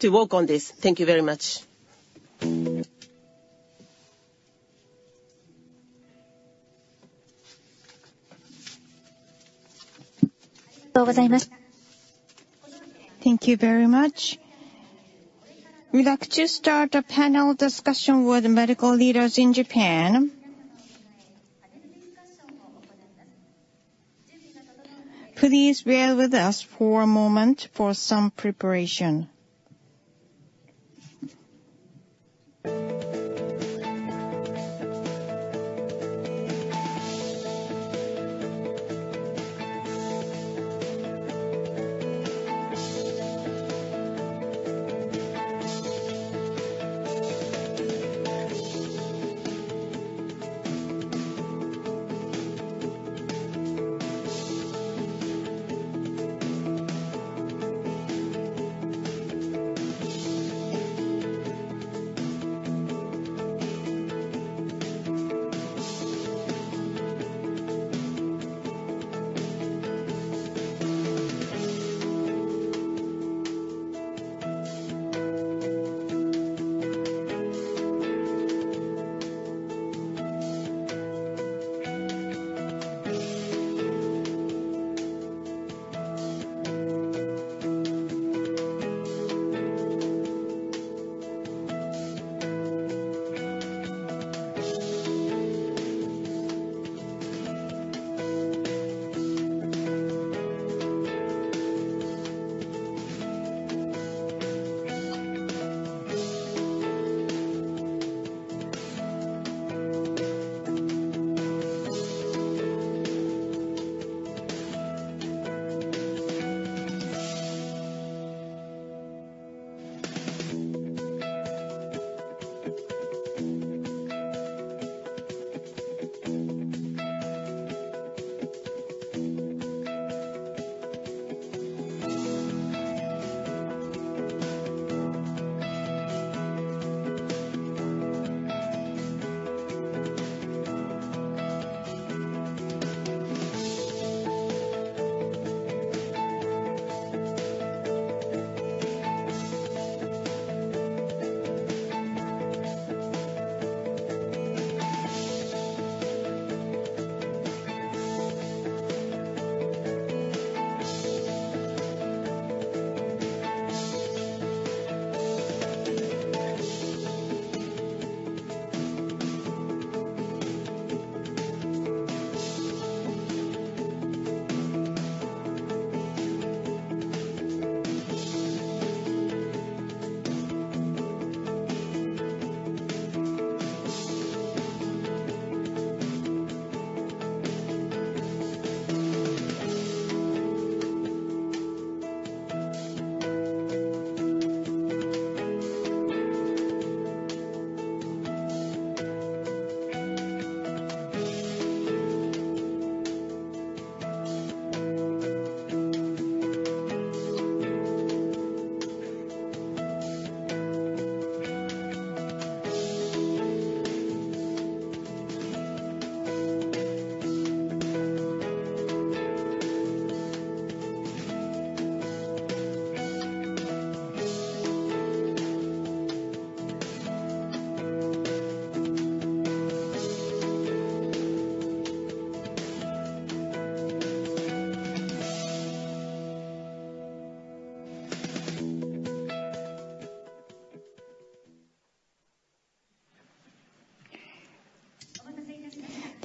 to work on this. Thank you very much. Thank you very much. We'd like to start a panel discussion with medical leaders in Japan. Please bear with us for a moment for some preparation.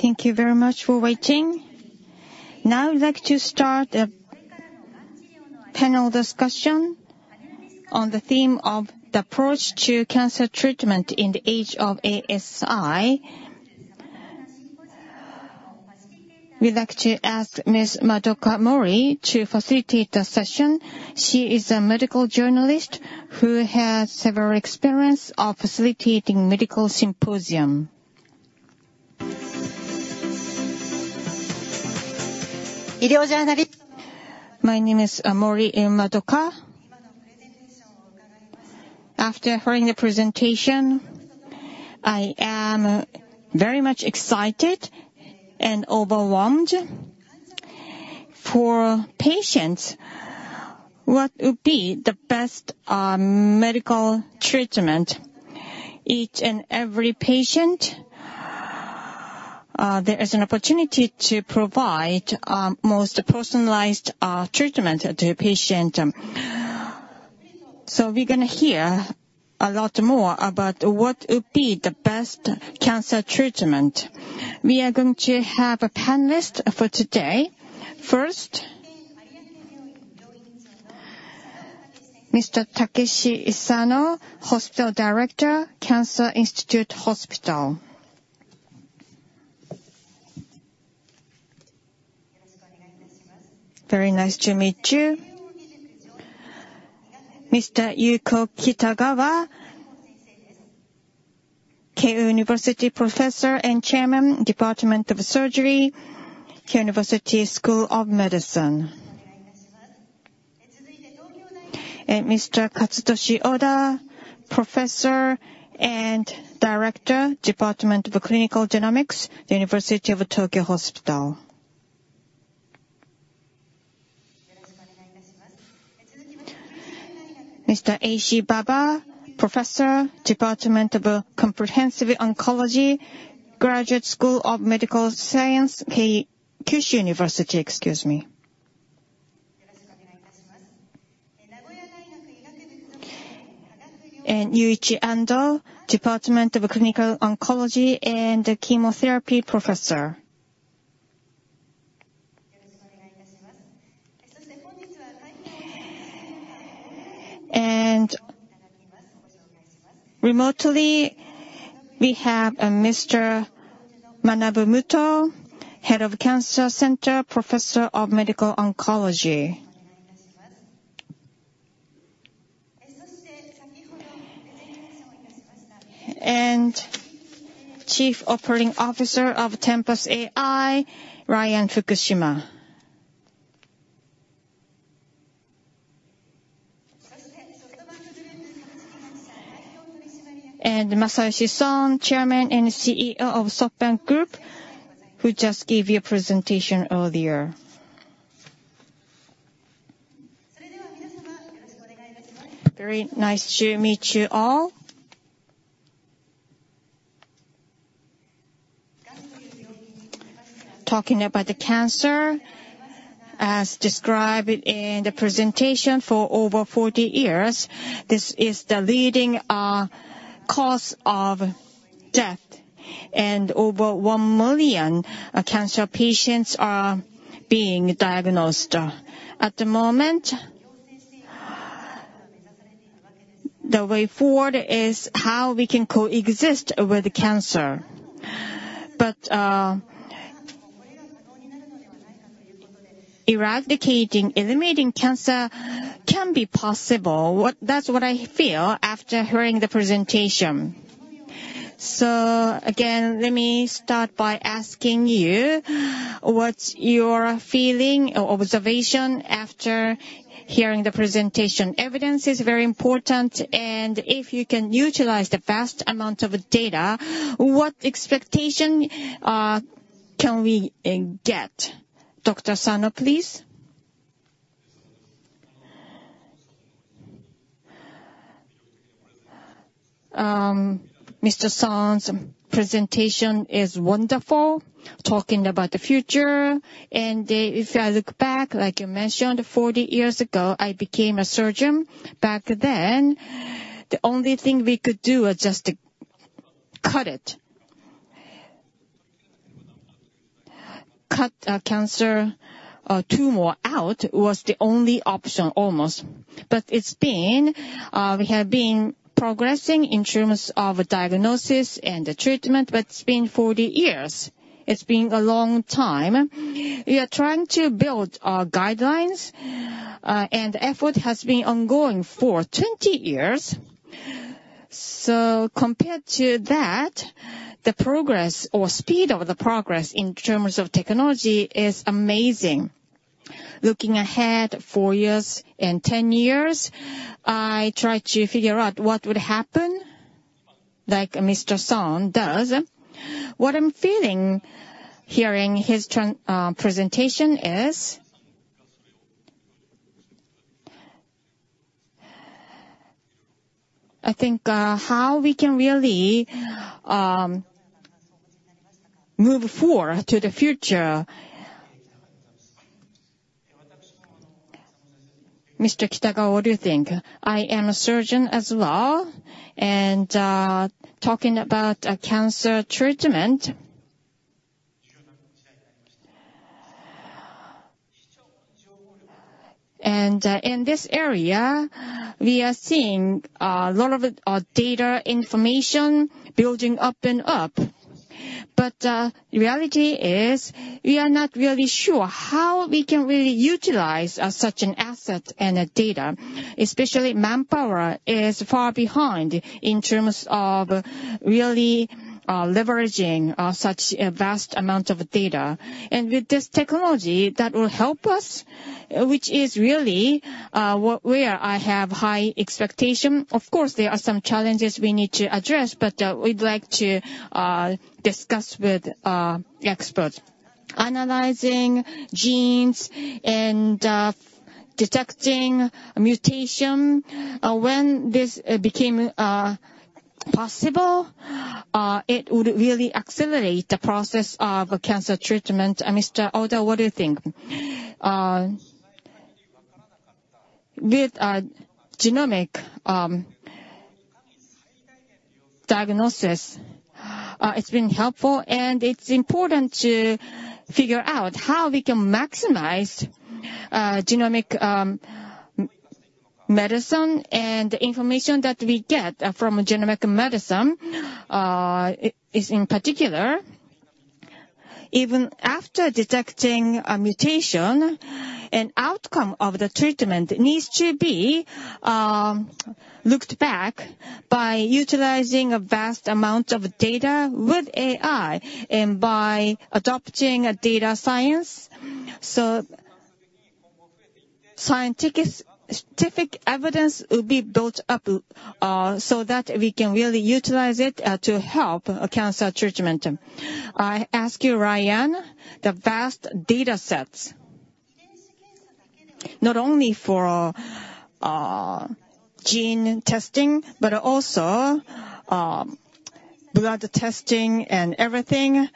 Thank you very much for waiting. Now I'd like to start a panel discussion on the theme of the approach to cancer treatment in the age of ASI. We'd like to ask Ms. Madoka Mori to facilitate the session. She is a medical journalist who has several experience, of facilitating medical symposium. My name is, Madoka Mori. After hearing the presentation, I am very much excited and overwhelmed. For patients, what would be the best, medical treatment? Each and every patient, there is an opportunity to provide, most personalized, treatment to a patient. So we're gonna hear a lot more about what would be the best cancer treatment. We are going to have a panelist for today. First, Mr. Takeshi Sano, hospital director, Cancer Institute Hospital. Very nice to meet you. Mr. Yuko Kitagawa, Keio University professor and chairman, Department of Surgery, Keio University School of Medicine. And Mr. Katsutoshi Oda, professor and director, Department of Clinical Genomics, University of Tokyo Hospital. Mr. Eiichi Baba, professor, Department of Comprehensive Oncology, Graduate School of Medical Science, Keio, Kyushu University, excuse me. And Yuichi Ando, Department of Clinical Oncology and Chemotherapy professor. And remotely, we have, Mr. Manabu Muto, head of Cancer Center, professor of medical oncology. And Chief Operating Officer of Tempus AI, Ryan Fukushima. And Masayoshi Son, chairman and CEO of SoftBank Group, who just gave you a presentation earlier. Very nice to meet you all. Talking about cancer, as described in the presentation, for over 40 years, this is the leading cause of death, and over 1 million cancer patients are being diagnosed. At the moment, the way forward is how we can coexist with cancer. But eradicating, eliminating cancer can be possible. That's what I feel after hearing the presentation. So again, let me start by asking you, what's your feeling or observation after hearing the presentation? Evidence is very important, and if you can utilize the vast amount of data, what expectation can we get? Dr. Sano, please. Mr. Son's presentation is wonderful, talking about the future. If I look back, like you mentioned, 40 years ago, I became a surgeon. Back then, the only thing we could do was just to cut it. Cut a cancer, a tumor, out was the only option, almost. But it's been... we have been progressing in terms of diagnosis and the treatment, but it's been 40 years. It's been a long time. We are trying to build, guidelines-... And effort has been ongoing for 20 years. So compared to that, the progress or speed of the progress in terms of technology is amazing. Looking ahead four years and 10 years, I try to figure out what would happen, like Mr. Son does. What I'm feeling, hearing his presentation is... I think, how we can really, move forward to the future. Mr. Kitagawa, what do you think? I am a surgeon as well, and talking about cancer treatment. In this area, we are seeing a lot of data information building up and up. But reality is, we are not really sure how we can really utilize such an asset and data, especially manpower is far behind in terms of really leveraging such a vast amount of data. And with this technology, that will help us, which is really where I have high expectation. Of course, there are some challenges we need to address, but we'd like to discuss with the experts. Analyzing genes and detecting mutation, when this became possible, it would really accelerate the process of cancer treatment. Mr. Oda, what do you think? With genomic diagnosis, it's been helpful, and it's important to figure out how we can maximize genomic medicine. And the information that we get from genomic medicine is in particular, even after detecting a mutation, an outcome of the treatment needs to be looked back by utilizing a vast amount of data with AI and by adopting data science. So scientific, scientific evidence will be built up, so that we can really utilize it to help cancer treatment. I ask you, Ryan, the vast data sets, not only for gene testing, but also blood testing and everything.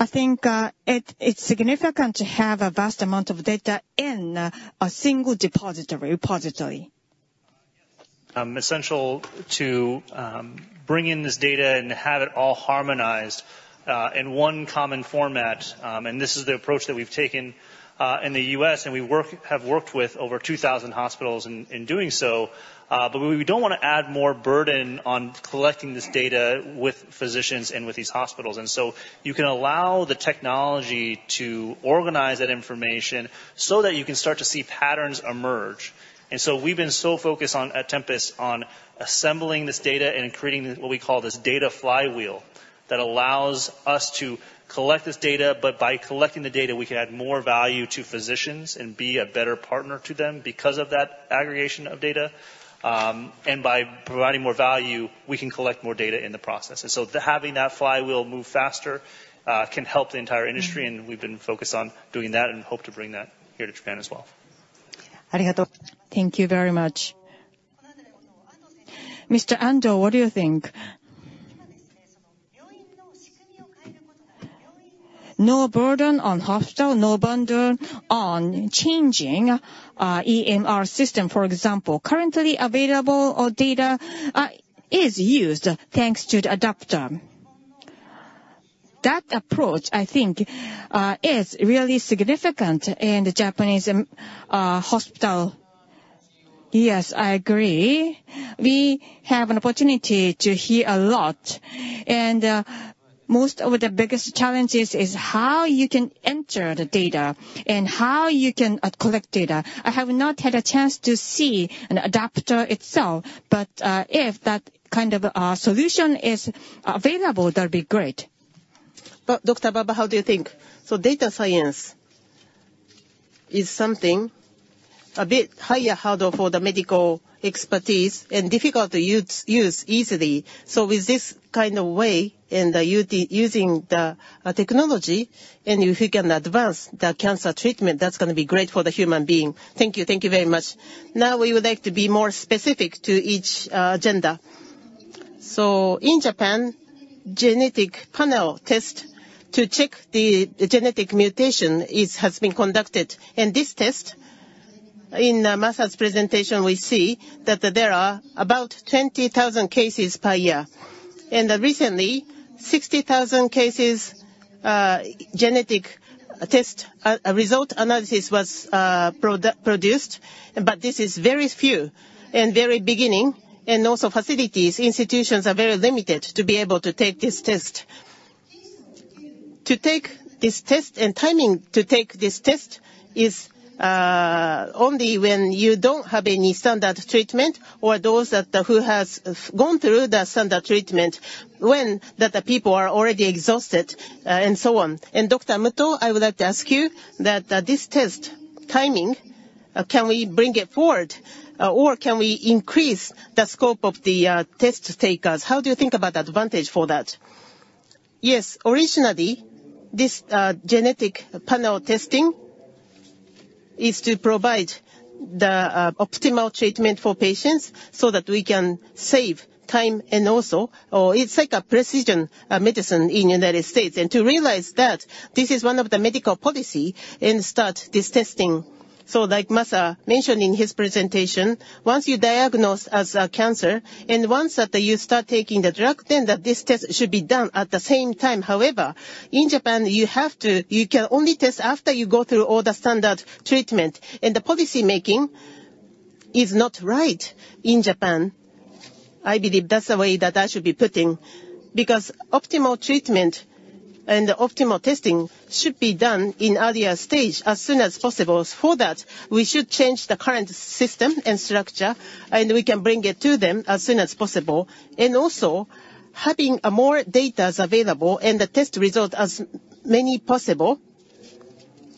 I think it, it's significant to have a vast amount of data in a single depository, repository. Essential to bring in this data and have it all harmonized in one common format. And this is the approach that we've taken in the U.S., and we have worked with over 2,000 hospitals in doing so. But we don't wanna add more burden on collecting this data with physicians and with these hospitals, and so you can allow the technology to organize that information so that you can start to see patterns emerge. And so we've been so focused on, at Tempus, on assembling this data and creating this, what we call this data flywheel, that allows us to collect this data, but by collecting the data, we can add more value to physicians and be a better partner to them because of that aggregation of data. By providing more value, we can collect more data in the process. So, having that flywheel move faster can help the entire industry, and we've been focused on doing that and hope to bring that here to Japan as well. Thank you very much. Mr. Ando, what do you think? No burden on hospital, no burden on changing EMR system, for example. Currently available data is used, thanks to the adapter. That approach, I think, is really significant in the Japanese hospital. Yes, I agree. We have an opportunity to hear a lot, and most of the biggest challenges is how you can enter the data and how you can collect data. I have not had a chance to see an adapter itself, but if that kind of solution is available, that'd be great. But Dr. Baba, how do you think? So data science is something a bit higher hurdle for the medical expertise and difficult to use easily. So with this kind of way, and using the technology, and if you can advance the cancer treatment, that's gonna be great for the human being. Thank you. Thank you very much. Now, we would like to be more specific to each agenda. So in Japan, genetic panel test to check the genetic mutation has been conducted. In this test, in Masa's presentation, we see that there are about 20,000 cases per year. And recently, 60,000 cases, genetic test result analysis was produced, but this is very few and very beginning, and also facilities, institutions are very limited to be able to take this test. To take this test, and timing to take this test, is only when you don't have any standard treatment, or those that who has gone through the standard treatment, when that the people are already exhausted, and so on. And Dr. Muto, I would like to ask you that, this test timing, can we bring it forward, or can we increase the scope of the test takers? How do you think about advantage for that? Yes, originally, this genetic panel testing is to provide the optimal treatment for patients so that we can save time, and also, it's like a precision medicine in United States. And to realize that, this is one of the medical policy, and start this testing. So like Masa mentioned in his presentation, once you diagnosed as cancer, and once that you start taking the drug, then that this test should be done at the same time. However, in Japan, you can only test after you go through all the standard treatment, and the policy making is not right in Japan. I believe that's the way that I should be putting. Because optimal treatment and optimal testing should be done in earlier stage, as soon as possible. For that, we should change the current system and structure, and we can bring it to them as soon as possible. And also, having more data is available and the test result as many possible.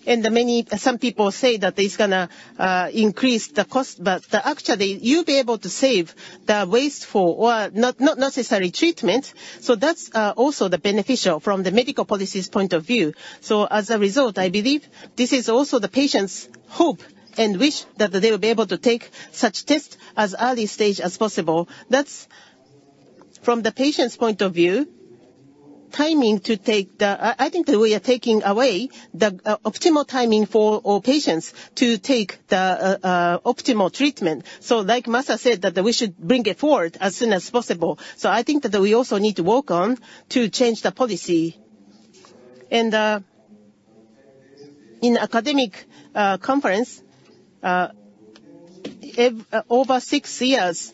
Some people say that it's gonna increase the cost, but actually, you'll be able to save the wasteful or not necessary treatment. So that's also the beneficial from the medical policy's point of view. So as a result, I believe this is also the patient's hope and wish that they will be able to take such test as early stage as possible. That's, from the patient's point of view, timing to take the. I think that we are taking away the optimal timing for all patients to take the optimal treatment. So like Masa said, that we should bring it forward as soon as possible. So I think that we also need to work on to change the policy. And in academic conference over six years,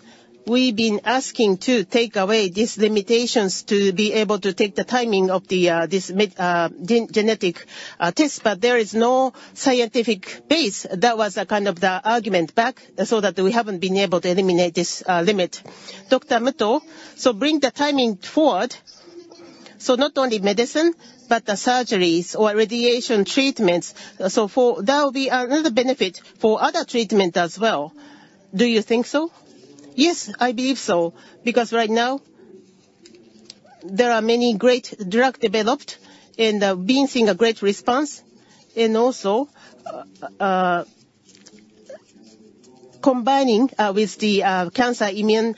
we've been asking to take away these limitations to be able to take the timing of the this genetic test, but there is no scientific base. That was a kind of the argument back, so that we haven't been able to eliminate this limit. Dr. Muto, so bring the timing forward, so not only medicine, but the surgeries or radiation treatments. So that will be another benefit for other treatment as well. Do you think so? Yes, I believe so. Because right now, there are many great drug developed, and we've seen a great response. And also, combining with the cancer immune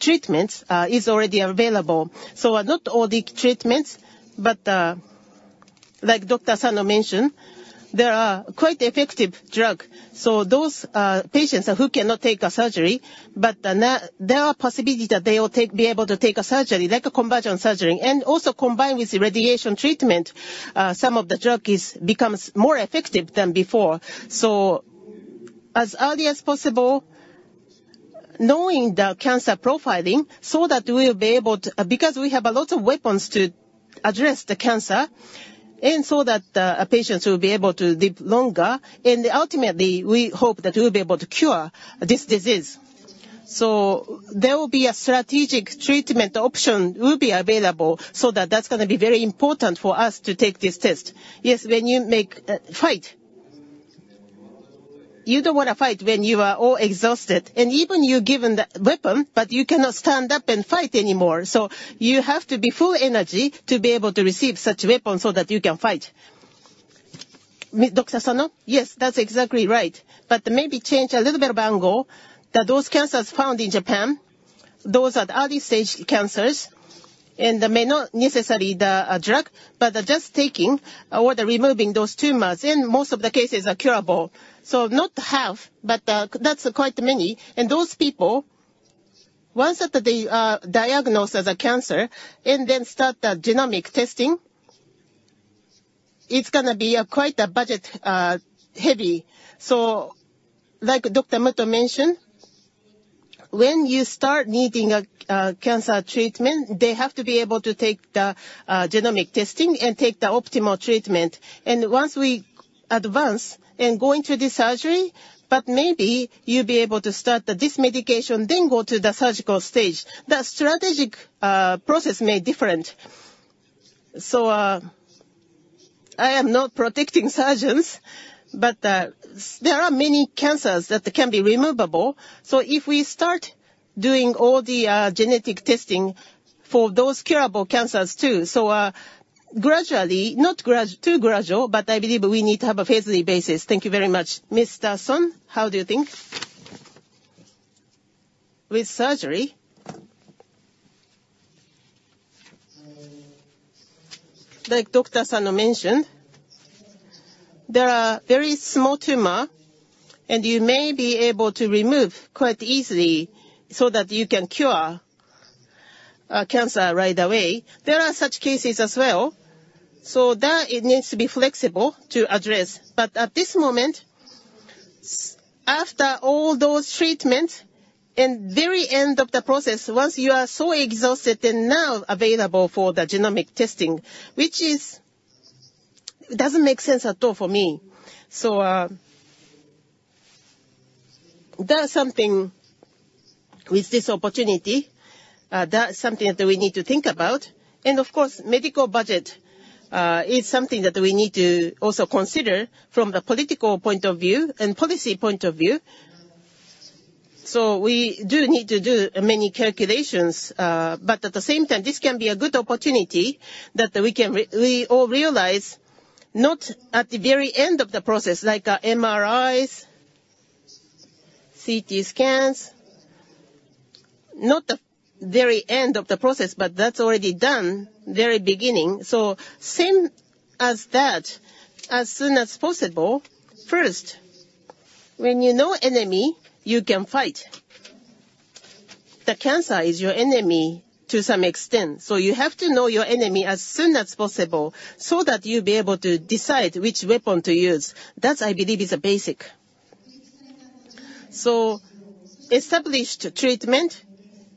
treatments is already available. So not all the treatments, but, like Dr. Sano mentioned, there are quite effective drug. So those patients who cannot take a surgery, but there are possibility that they will be able to take a surgery, like a conversion surgery. And also combined with the radiation treatment, some of the drug is becomes more effective than before. So as early as possible, knowing the cancer profiling, so that we'll be able to... Because we have a lot of weapons to address the cancer, and so that patients will be able to live longer. And ultimately, we hope that we'll be able to cure this disease. So there will be a strategic treatment option will be available, so that that's gonna be very important for us to take this test. Yes, when you make fight, you don't want to fight when you are all exhausted. And even you're given the weapon, but you cannot stand up and fight anymore. So you have to be full energy to be able to receive such weapon so that you can fight. Dr. Sano? Yes, that's exactly right. But maybe change a little bit of angle, that those cancers found in Japan, those are the early stage cancers, and they may not necessarily the drug, but just taking or the removing those tumors, and most of the cases are curable. So not half, but that's quite many. Those people, once that they are diagnosed as a cancer and then start the genomic testing, it's gonna be quite a budget heavy. So like Dr. Muto mentioned, when you start needing a cancer treatment, they have to be able to take the genomic testing and take the optimal treatment. And once we advance and go into the surgery, but maybe you'll be able to start this medication, then go to the surgical stage. The strategic process may different. So, I am not protecting surgeons, but there are many cancers that can be removable. So if we start doing all the genetic testing for those curable cancers, too, so gradually, not too gradual, but I believe we need to have a phased basis. Thank you very much. Mr. Son, how do you think? With surgery, like Dr. Sano mentioned, there are very small tumor, and you may be able to remove quite easily so that you can cure cancer right away. There are such cases as well, so that it needs to be flexible to address. But at this moment, after all those treatments, in very end of the process, once you are so exhausted and now available for the genomic testing, which doesn't make sense at all for me. So, there are something with this opportunity, that's something that we need to think about. And of course, medical budget is something that we need to also consider from the political point of view and policy point of view. So we do need to do many calculations, but at the same time, this can be a good opportunity that we can we all realize, not at the very end of the process, like, MRIs, CT scans, not the very end of the process, but that's already done, very beginning. So same as that, as soon as possible. First, when you know enemy, you can fight. The cancer is your enemy to some extent, so you have to know your enemy as soon as possible, so that you'll be able to decide which weapon to use. That, I believe, is a basic. So established treatment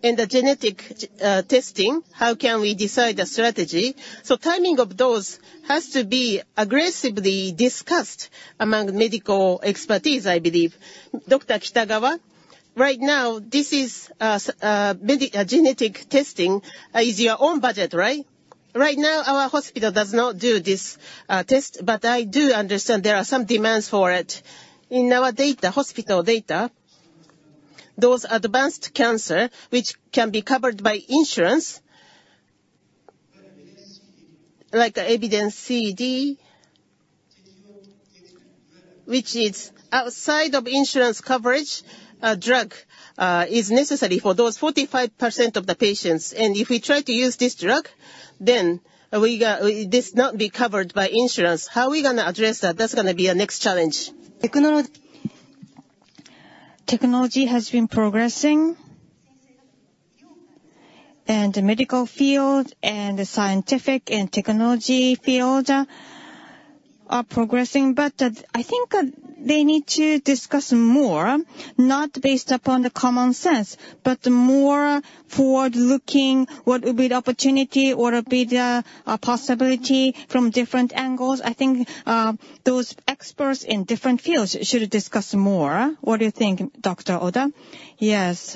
and the genetic testing, how can we decide the strategy? So timing of those has to be aggressively discussed among medical expertise, I believe. Dr. Kitagawa, right now, this is medical genetic testing is your own budget, right? Right now, our hospital does not do this test, but I do understand there are some demands for it. In our data, hospital data, those advanced cancer, which can be covered by insurance, like Evidence C, D which is outside of insurance coverage, a drug is necessary for those 45% of the patients, and if we try to use this drug, then we got this not be covered by insurance. How are we gonna address that? That's gonna be our next challenge. Technology has been progressing, and the medical field and the scientific and technology field are progressing, but I think they need to discuss more, not based upon the common sense, but more forward-looking, what would be the opportunity or a bigger possibility from different angles. I think those experts in different fields should discuss more. What do you think, Dr. Oda? Yes,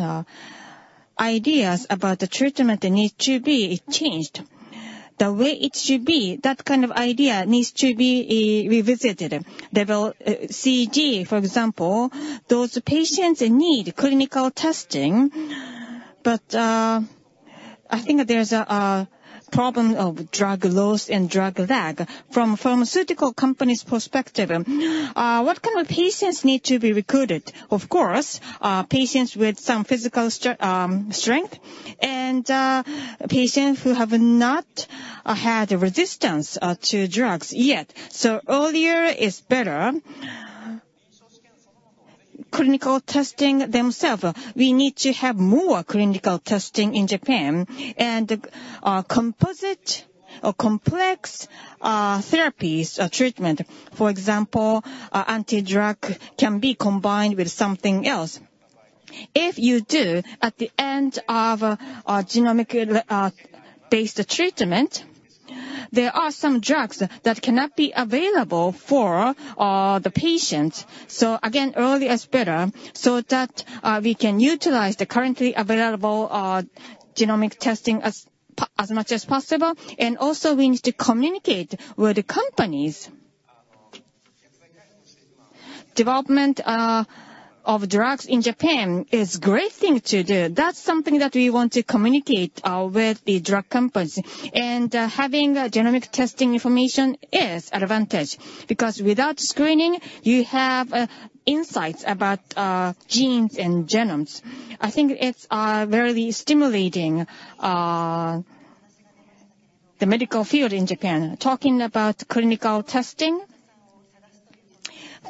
ideas about the treatment need to be changed. The way it should be, that kind of idea needs to be revisited. With CGP, for example, those patients need clinical testing, but I think there's a problem of drug loss and drug lag. From pharmaceutical company's perspective, what kind of patients need to be recruited? Of course, patients with some physical strength and patients who have not had a resistance to drugs yet. So earlier is better. Clinical testing themselves, we need to have more clinical testing in Japan and composite or complex therapies treatment. For example, an antibody drug can be combined with something else. If you do, at the end of genomic based treatment, there are some drugs that cannot be available for the patient. So again, early is better, so that we can utilize the currently available genomic testing as much as possible, and also we need to communicate with the companies. Development of drugs in Japan is great thing to do. That's something that we want to communicate with the drug companies. And having a genomic testing information is advantage, because without screening, you have insights about genes and genomes. I think it's very stimulating the medical field in Japan. Talking about clinical testing,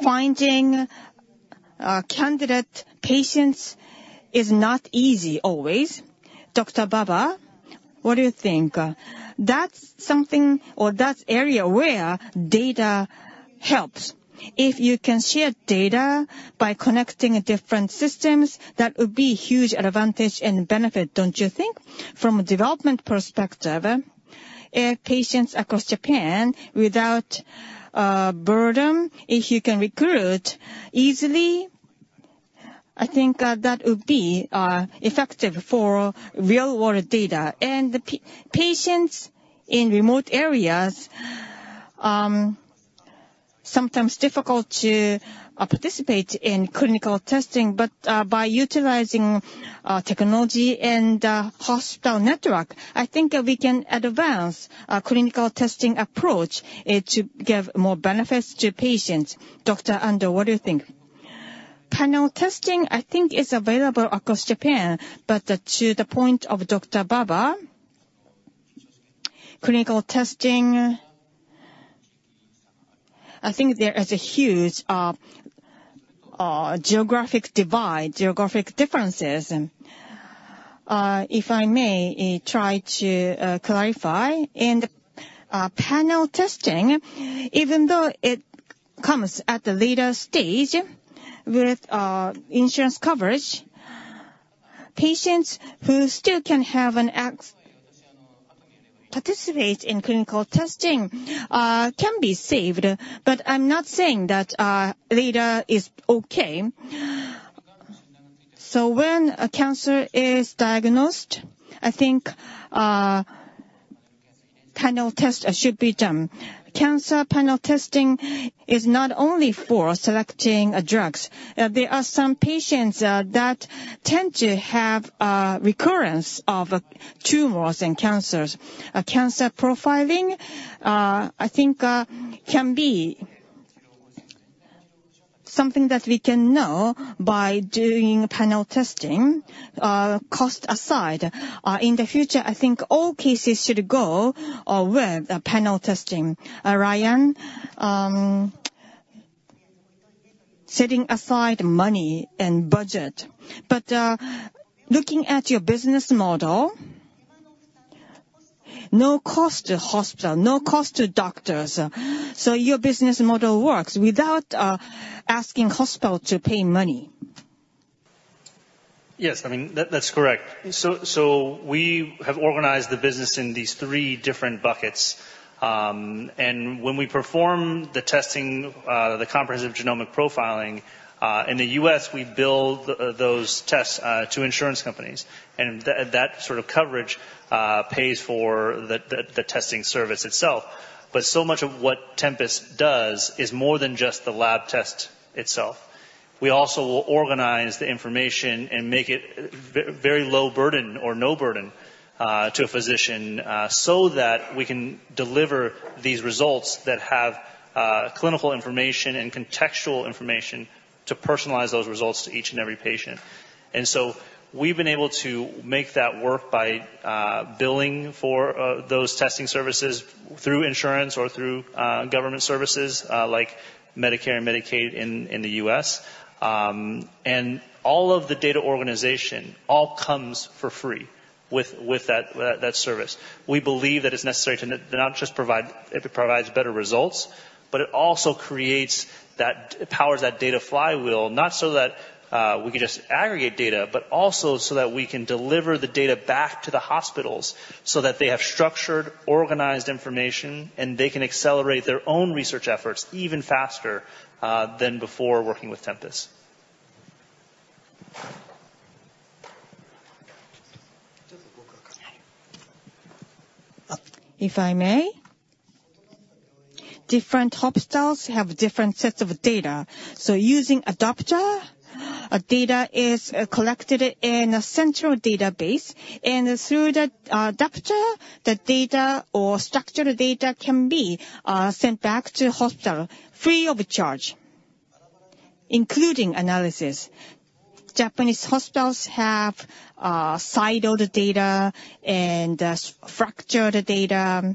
finding candidate patients is not easy always. Dr. Baba, what do you think? That's something or that area where data helps. If you can share data by connecting different systems, that would be huge advantage and benefit, don't you think? From a development perspective, patients across Japan, without burden, if you can recruit easily, I think, that would be effective for real-world data. And the patients in remote areas, sometimes difficult to participate in clinical testing, but by utilizing technology and hospital network, I think, we can advance our clinical testing approach to give more benefits to patients. Dr. Ando, what do you think? Panel testing, I think, is available across Japan, but, to the point of Dr. Baba, clinical testing, I think there is a huge, geographic divide, geographic differences. If I may, try to clarify. In the panel testing, even though it comes at the later stage with insurance coverage, patients who still can have access to participate in clinical testing can be saved, but I'm not saying that later is okay. So when a cancer is diagnosed, I think, panel test should be done. Cancer panel testing is not only for selecting drugs. There are some patients that tend to have recurrence of tumors and cancers. Cancer profiling, I think, can be something that we can know by doing panel testing, cost aside. In the future, I think all cases should go with the panel testing. Ryan, setting aside money and budget, but looking at your business model, no cost to hospital, no cost to doctors, so your business model works without asking hospital to pay money. Yes, I mean, that's correct. So we have organized the business in these three different buckets. And when we perform the testing, the comprehensive genomic profiling, in the U.S., we bill those tests to insurance companies, and that sort of coverage pays for the testing service itself. But so much of what Tempus does is more than just the lab test itself. We also will organize the information and make it very low burden or no burden to a physician, so that we can deliver these results that have clinical information and contextual information to personalize those results to each and every patient. And so we've been able to make that work by billing for those testing services through insurance or through government services like Medicare and Medicaid in the U.S. And all of the data organization comes for free with that service. We believe that it's necessary to not just provide... It provides better results, but it also creates that, powers that data flywheel, not so that we can just aggregate data, but also so that we can deliver the data back to the hospitals, so that they have structured, organized information, and they can accelerate their own research efforts even faster than before working with Tempus. If I may, different hospitals have different sets of data, so using adapter, data is, collected in a central database, and through the, adapter, the data or structured data can be, sent back to hospital free of charge, including analysis. Japanese hospitals have, siloed data and, structured data,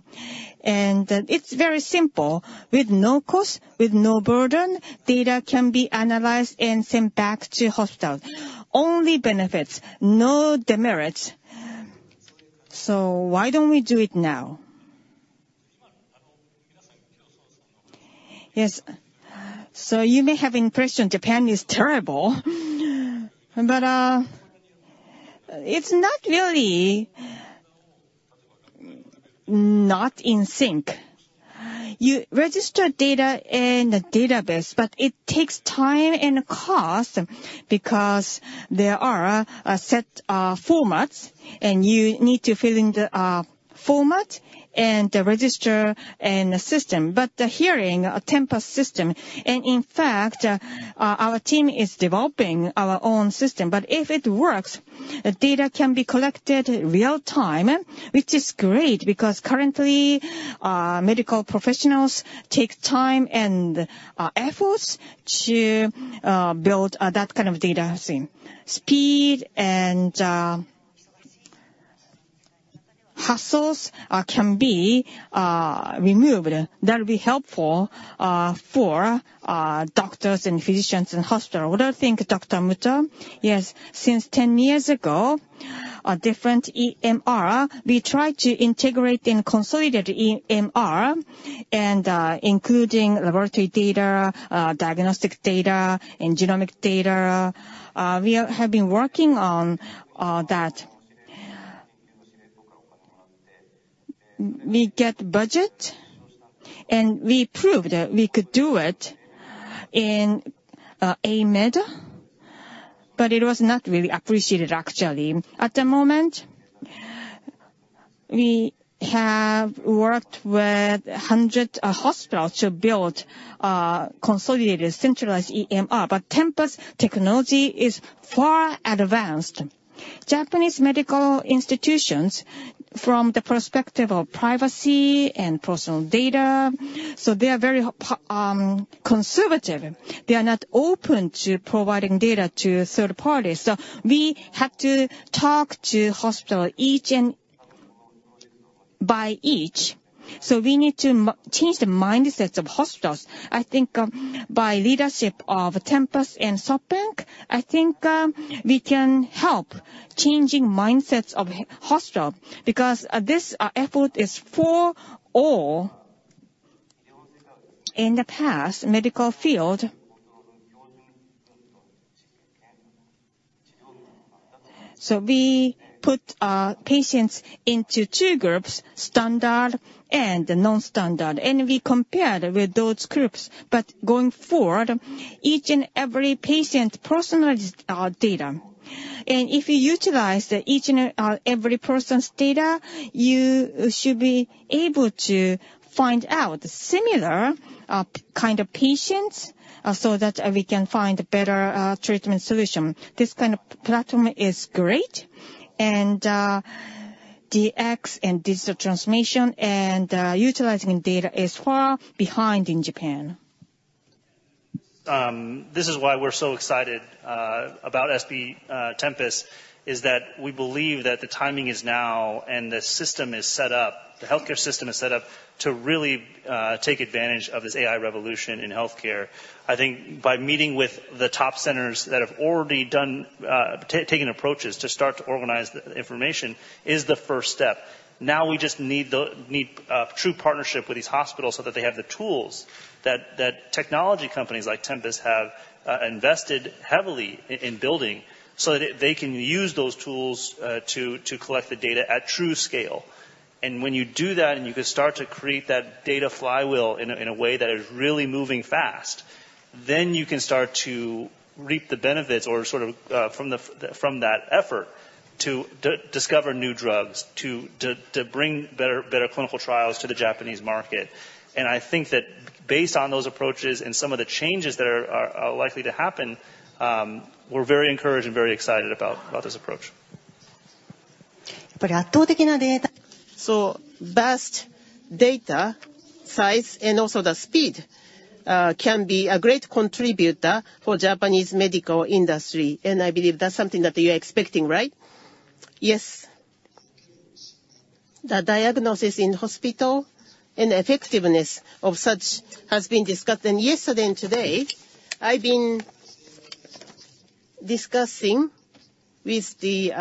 and, it's very simple. With no cost, with no burden, data can be analyzed and sent back to hospitals. Only benefits, no demerits. So why don't we do it now? Yes. So you may have impression Japan is terrible, but, it's not really not in sync. You register data in the database, but it takes time and cost because there are a, a set, formats, and you need to fill in the, format and register in the system. But the hearing, a Tempus system, and in fact, our team is developing our own system, but if it works, the data can be collected real time, which is great because currently, medical professionals take time and efforts to build that kind of data thing. Speed and hassles can be removed. That'll be helpful for doctors and physicians in hospital. What do you think, Dr. Muto? Yes, since 10 years ago, a different EMR, we tried to integrate and consolidate EMR and including laboratory data, diagnostic data, and genomic data. We have been working on that. We get budget, and we proved that we could do it in AMED, but it was not really appreciated, actually. At the moment, we have worked with 100 hospitals to build consolidated, centralized EMR, but Tempus technology is far advanced. Japanese medical institutions from the perspective of privacy and personal data, so they are very conservative. They are not open to providing data to a third party. So we have to talk to hospital each and each-... by each, so we need to change the mindsets of hospitals. I think, by leadership of Tempus and SoftBank, I think, we can help changing mindsets of hospital, because, this, effort is for all. In the past medical field, so we put, patients into two groups: standard and non-standard, and we compared with those groups. But going forward, each and every patient personalized, data, and if you utilize each and, every person's data, you should be able to find out similar, kind of patients, so that we can find better, treatment solution. This kind of platform is great, and, the X and digital transformation and, utilizing data is far behind in Japan. This is why we're so excited about SB Tempus, is that we believe that the timing is now and the system is set up, the healthcare system is set up to really take advantage of this AI revolution in healthcare. I think by meeting with the top centers that have already taken approaches to start to organize the information is the first step. Now we just need true partnership with these hospitals so that they have the tools that technology companies like Tempus have invested heavily in building, so that they can use those tools to collect the data at true scale. When you do that, and you can start to create that data flywheel in a way that is really moving fast, then you can start to reap the benefits or sort of from that effort to discover new drugs, to bring better clinical trials to the Japanese market. I think that based on those approaches and some of the changes that are likely to happen, we're very encouraged and very excited about this approach. But after getting the data- So vast data, size, and also the speed, can be a great contributor for Japanese medical industry, and I believe that's something that you're expecting, right? Yes. The diagnosis in hospital and effectiveness of such has been discussed. And yesterday and today, I've been discussing with the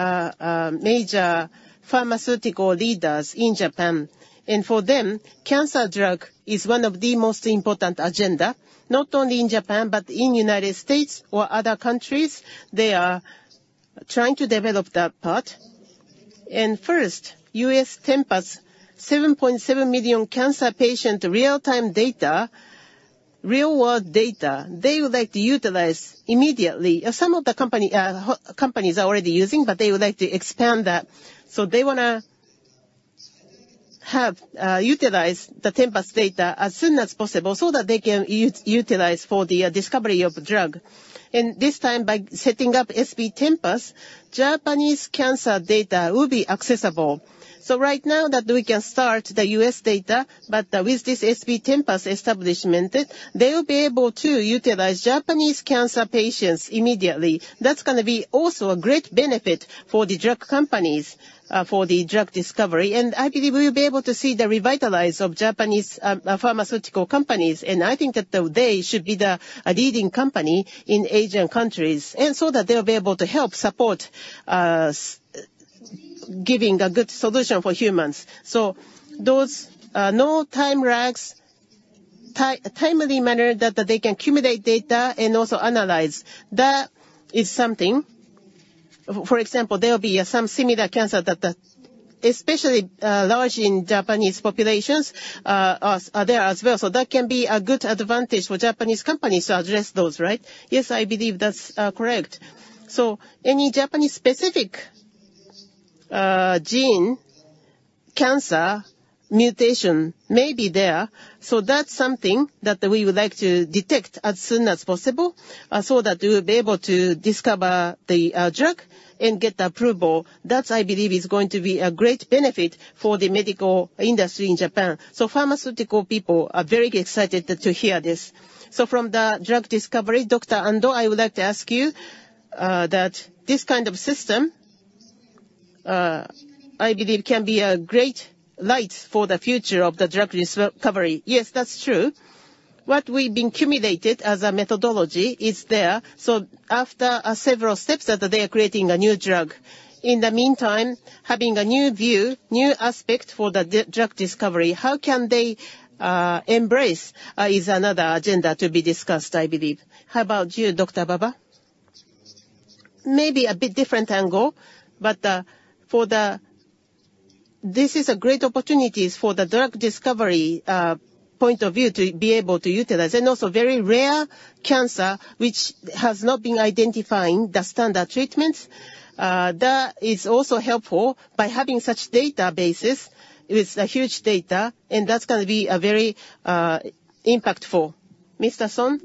major pharmaceutical leaders in Japan, and for them, cancer drug is one of the most important agenda, not only in Japan, but in United States or other countries. They are trying to develop that part. And first, US Tempus, 7.7 million cancer patient real-time data, real-world data, they would like to utilize immediately. Some of the company, companies are already using, but they would like to expand that. So they wanna have utilize the Tempus data as soon as possible so that they can utilize for the discovery of the drug. And this time, by setting up SB Tempus, Japanese cancer data will be accessible. So right now that we can start the US data, but with this SB Tempus establishment, they will be able to utilize Japanese cancer patients immediately. That's gonna be also a great benefit for the drug companies for the drug discovery, and I believe we'll be able to see the revitalize of Japanese pharmaceutical companies. And I think that they should be the a leading company in Asian countries, and so that they'll be able to help support giving a good solution for humans. So those no time lags timely manner that that they can accumulate data and also analyze. That is something... For example, there will be some similar cancer that the especially large in Japanese populations are there as well. So that can be a good advantage for Japanese companies to address those, right? Yes, I believe that's correct. So any Japanese specific gene cancer mutation may be there, so that's something that we would like to detect as soon as possible, so that we will be able to discover the drug and get the approval. That, I believe, is going to be a great benefit for the medical industry in Japan. So pharmaceutical people are very excited to hear this. So from the drug discovery, Dr. Ando, I would like to ask you that this kind of system, I believe, can be a great light for the future of the drug discovery. Yes, that's true. What we've been accumulated as a methodology is there, so after several steps that they are creating a new drug. In the meantime, having a new view, new aspect for the drug discovery, how can they embrace is another agenda to be discussed, I believe. How about you, Dr. Baba? Maybe a bit different angle, but for the... This is a great opportunities for the drug discovery point of view to be able to utilize, and also very rare cancer, which has not been identifying the standard treatments. That is also helpful by having such databases with a huge data, and that's gonna be a very impactful. Mr. Son,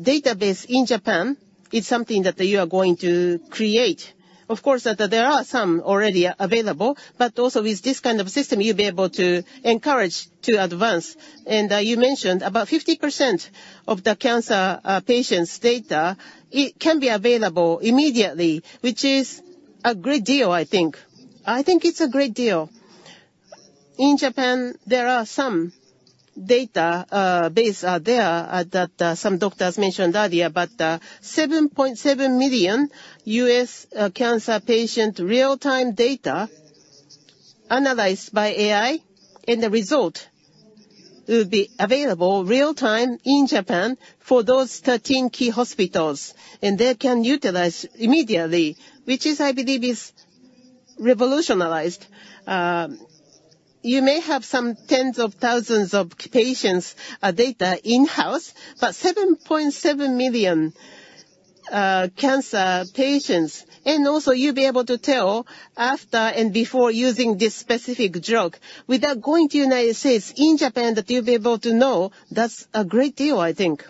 database in Japan is something that you are going to create. Of course, that there are some already available, but also with this kind of system, you'll be able to encourage to advance. You mentioned about 50% of the cancer patients' data it can be available immediately, which is a great deal, I think. I think it's a great deal... In Japan, there are some database there that some doctors mentioned earlier, but 7.7 million U.S. cancer patient real-time data analyzed by AI, and the result will be available real-time in Japan for those 13 key hospitals, and they can utilize immediately, which is, I believe, is revolutionary. You may have some tens of thousands of patients data in-house, but 7.7 million cancer patients, and also you'll be able to tell after and before using this specific drug, without going to United States, in Japan, that you'll be able to know, that's a great deal, I think.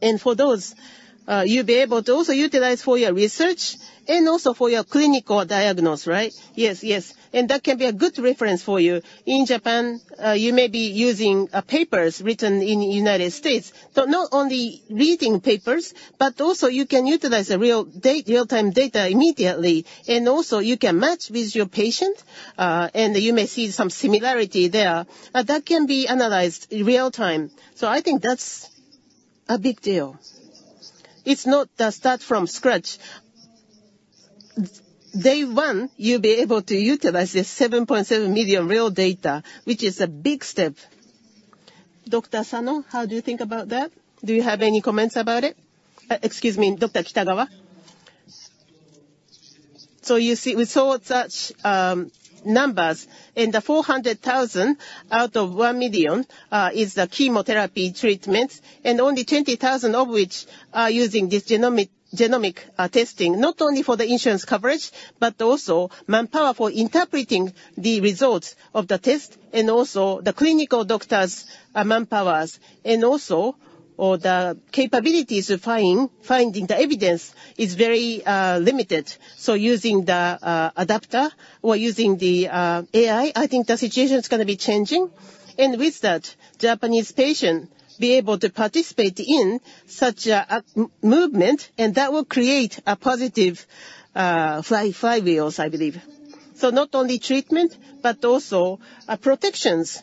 And for those, you'll be able to also utilize for your research and also for your clinical diagnosis, right? Yes. Yes, and that can be a good reference for you. In Japan, you may be using papers written in the United States, but not only reading papers, but also you can utilize the real-time data immediately, and also you can match with your patient, and you may see some similarity there. But that can be analyzed in real time, so I think that's a big deal. It's not the start from scratch. Day one, you'll be able to utilize the 7.7 million real data, which is a big step. Dr. Sano, how do you think about that? Do you have any comments about it? Excuse me, Dr. Kitagawa. So you see we saw such numbers, and the 400,000 out of one million is the chemotherapy treatments, and only 20,000 of which are using this genomic testing. Not only for the insurance coverage, but also manpower for interpreting the results of the test and also the clinical doctors' manpowers, and also, or the capabilities of finding the evidence is very limited. So using the adapter or using the AI, I think the situation is gonna be changing. And with that, Japanese patient be able to participate in such a movement, and that will create a positive flywheels, I believe. So not only treatment, but also protections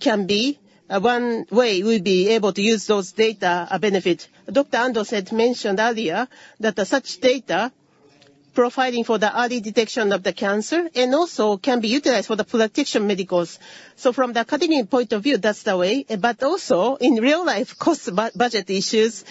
can be one way we'll be able to use those data benefit. Dr. Ando said, mentioned earlier, that such data profiling for the early detection of the cancer, and also can be utilized for the preventive medicine. So from the academic point of view, that's the way, but also, in real life, budget issues,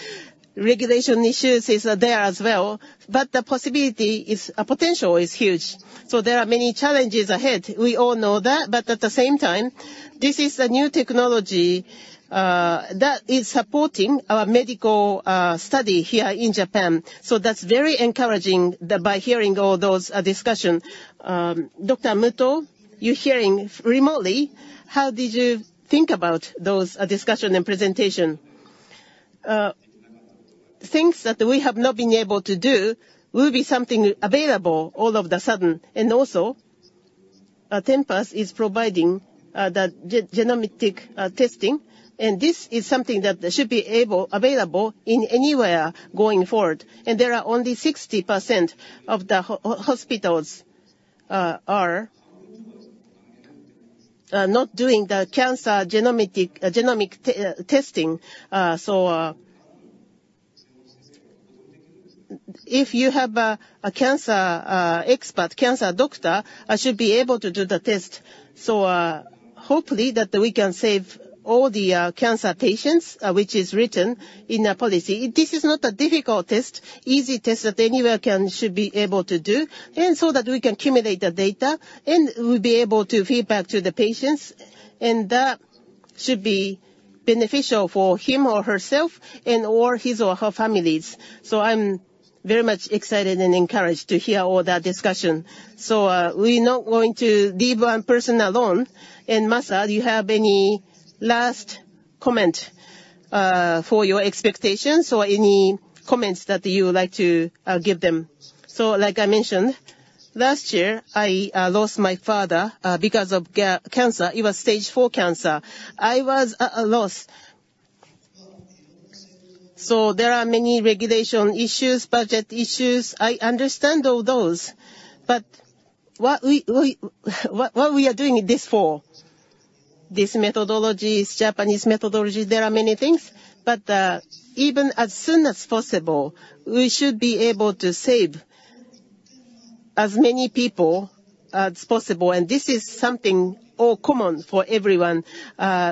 regulation issues is there as well, but the possibility is, potential is huge. So there are many challenges ahead. We all know that, but at the same time, this is a new technology that is supporting our medical study here in Japan, so that's very encouraging, hearing all those discussions. Dr. Muto, you're hearing remotely, how did you think about those discussions and presentation? Things that we have not been able to do will be something available all of a sudden, and also, Tempus is providing the genomic testing, and this is something that should be available anywhere going forward. And there are only 60% of the hospitals are not doing the cancer genomic testing. So, if you have a cancer expert cancer doctor, I should be able to do the test. So, hopefully, that we can save all the cancer patients, which is written in the policy. This is not a difficult test, easy test that anyone can, should be able to do, and so that we can accumulate the data, and we'll be able to feedback to the patients, and that should be beneficial for him or herself and or his or her families. So I'm very much excited and encouraged to hear all that discussion. So, we're not going to leave one person alone. And Masa, do you have any last comment, for your expectations or any comments that you would like to, give them? So, like I mentioned, last year, I lost my father, because of cancer. It was stage four cancer. I was at a loss. So there are many regulation issues, budget issues. I understand all those, but what we are doing this for? These methodologies, Japanese methodology, there are many things, but even as soon as possible, we should be able to save as many people as possible, and this is something all common for everyone.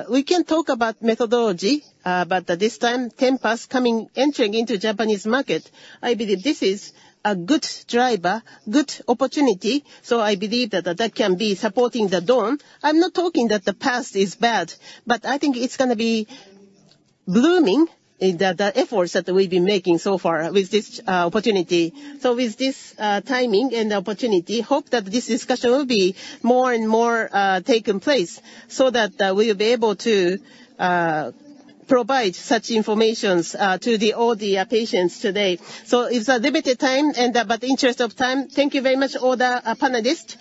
We can talk about methodology, but at this time, Tempus coming, entering into Japanese market, I believe this is a good driver, good opportunity, so I believe that that can be supporting the dawn. I'm not talking that the past is bad, but I think it's gonna be blooming in the efforts that we've been making so far with this opportunity. So with this timing and opportunity, hope that this discussion will be more and more taking place so that we'll be able to provide such information to all the patients today. So it's a limited time, but in the interest of time, thank you very much, all the panelists.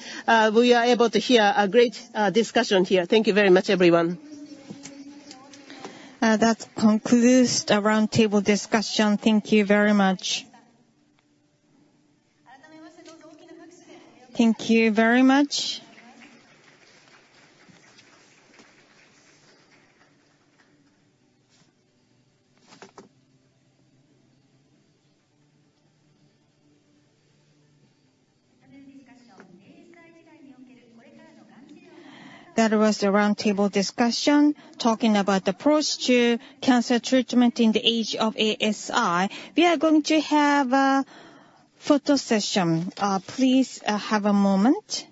We are able to hear a great discussion here. Thank you very much, everyone.... That concludes the roundtable discussion. Thank you very much. Thank you very much. That was the roundtable discussion, talking about the approach to cancer treatment in the age of ASI. We are going to have a photo session. Please, have a moment.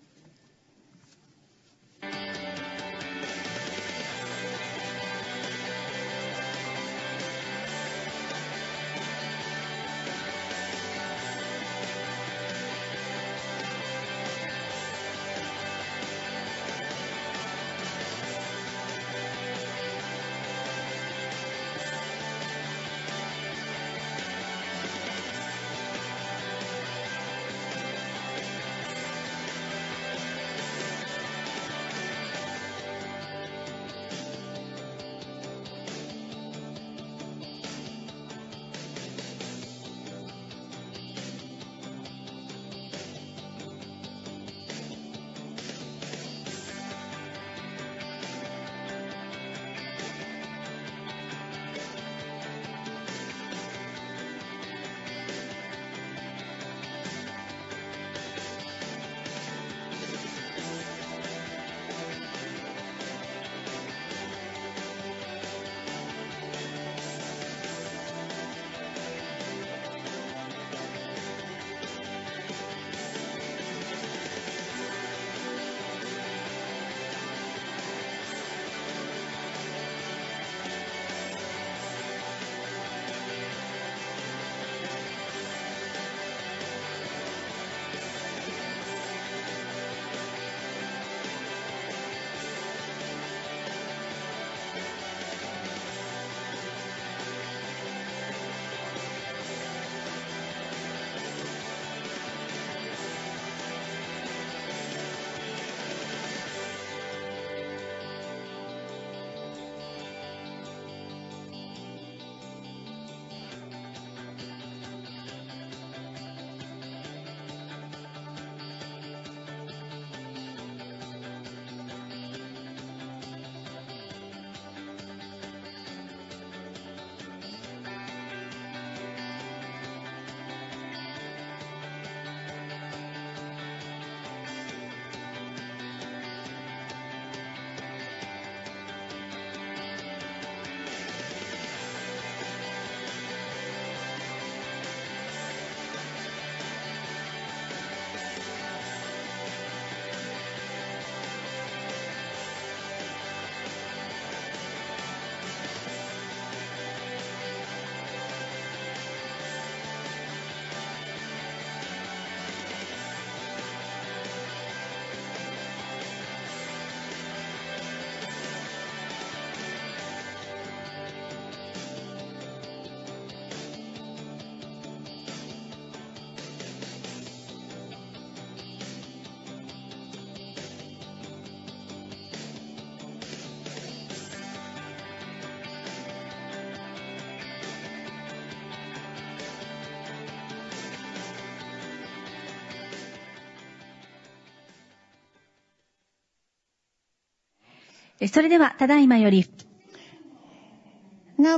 Now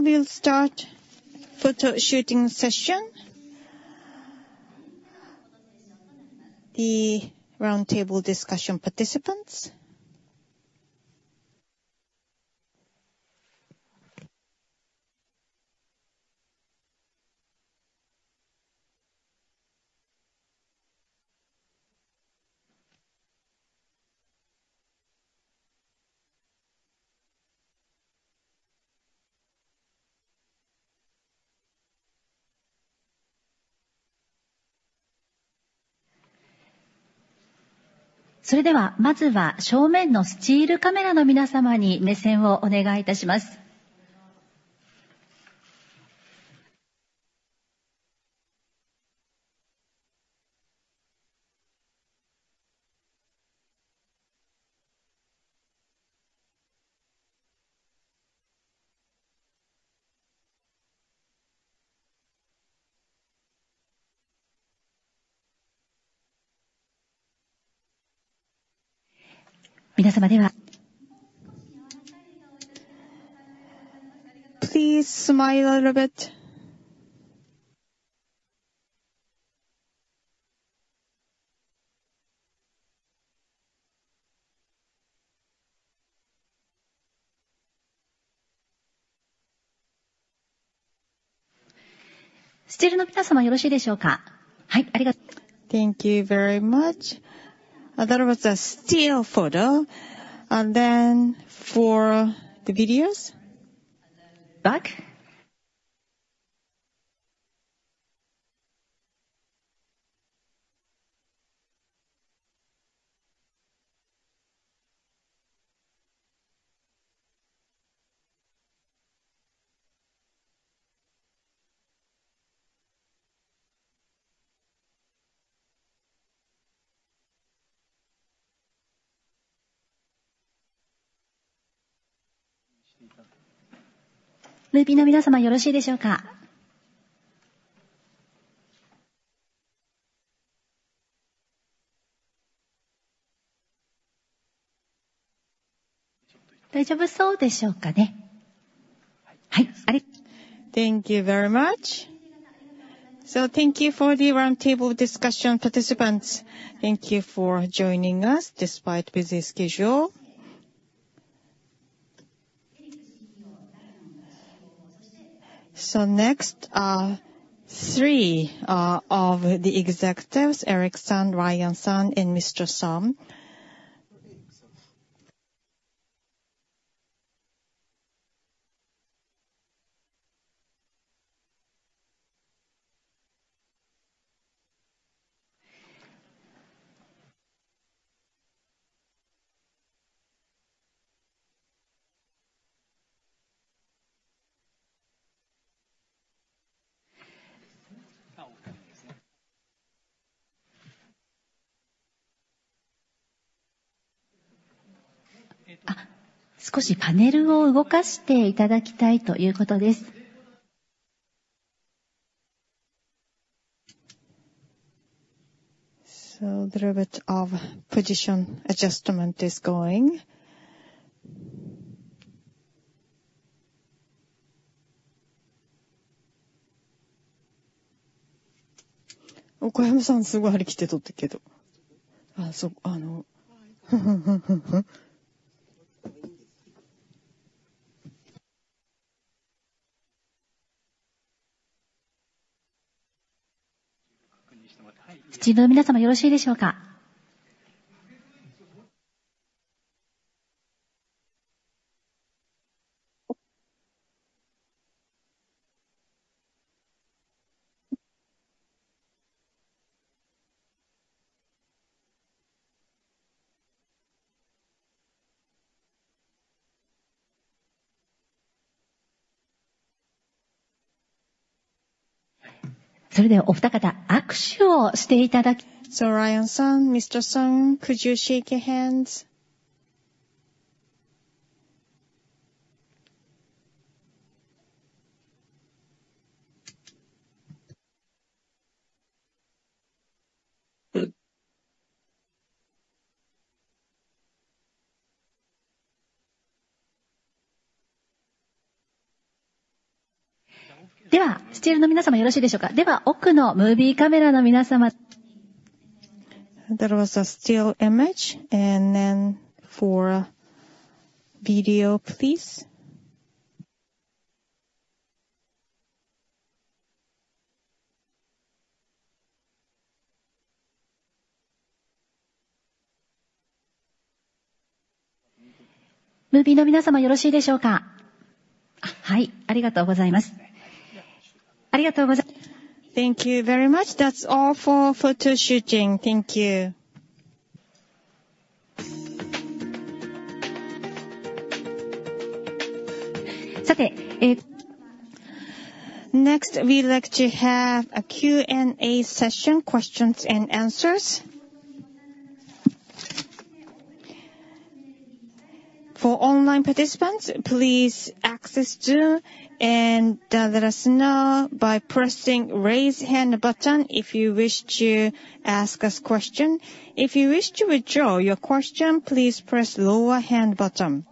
we'll start photo shooting session. The roundtable discussion participants. Please smile a little bit. Thank you very much. That was a still photo. And then for the videos. Back? ... Thank you very much. Thank you for the roundtable discussion participants. Thank you for joining us despite busy schedule. Next, three of the executives, Eric-san, Ryan-san, and Mr. Son. Ryan-san, Mr. Son, could you shake your hands? There was a still image, and then for video, please. Thank you very much. That's all for photo shooting. Thank you. Next, we'd like to have a Q&A session, questions and answers. For online participants, please access Zoom and let us know by pressing Raise Hand button if you wish to ask us question. If you wish to withdraw your question, please press Lower Hand button.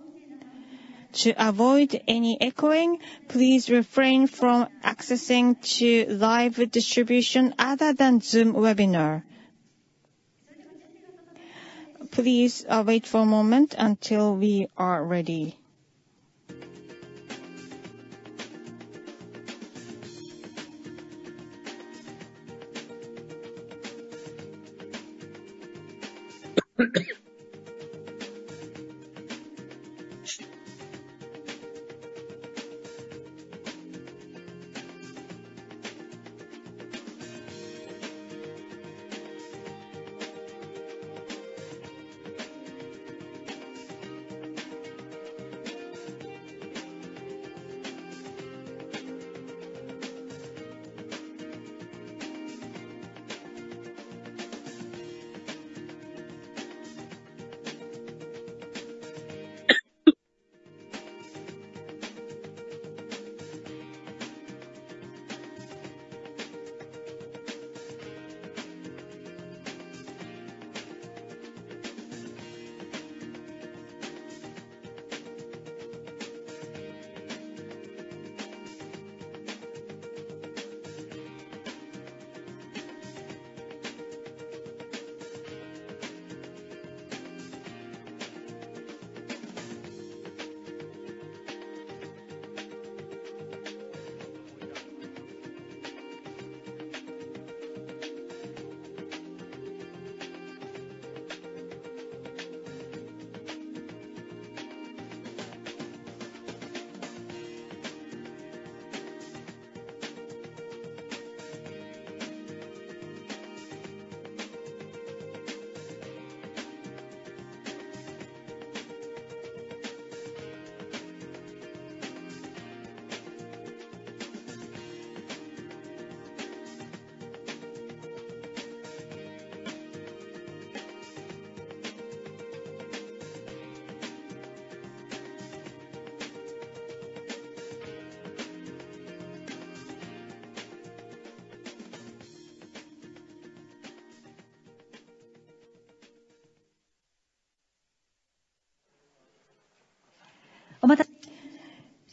To avoid any echoing, please refrain from accessing to live distribution other than Zoom webinar. Please wait for a moment until we are ready. ...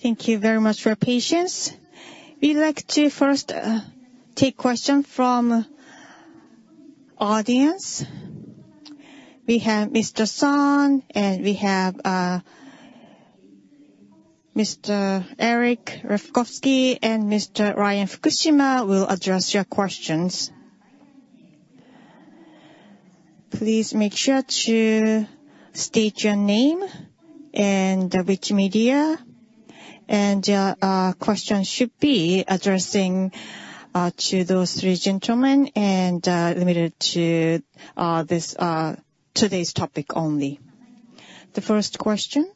Thank you very much for your patience. We'd like to first take question from audience. We have Mr. Son, and we have Mr. Eric Lefkofsky, and Mr. Ryan Fukushima will address your questions. Please make sure to state your name and which media, and question should be addressing to those three gentlemen, and limited to this today's topic only. The first question?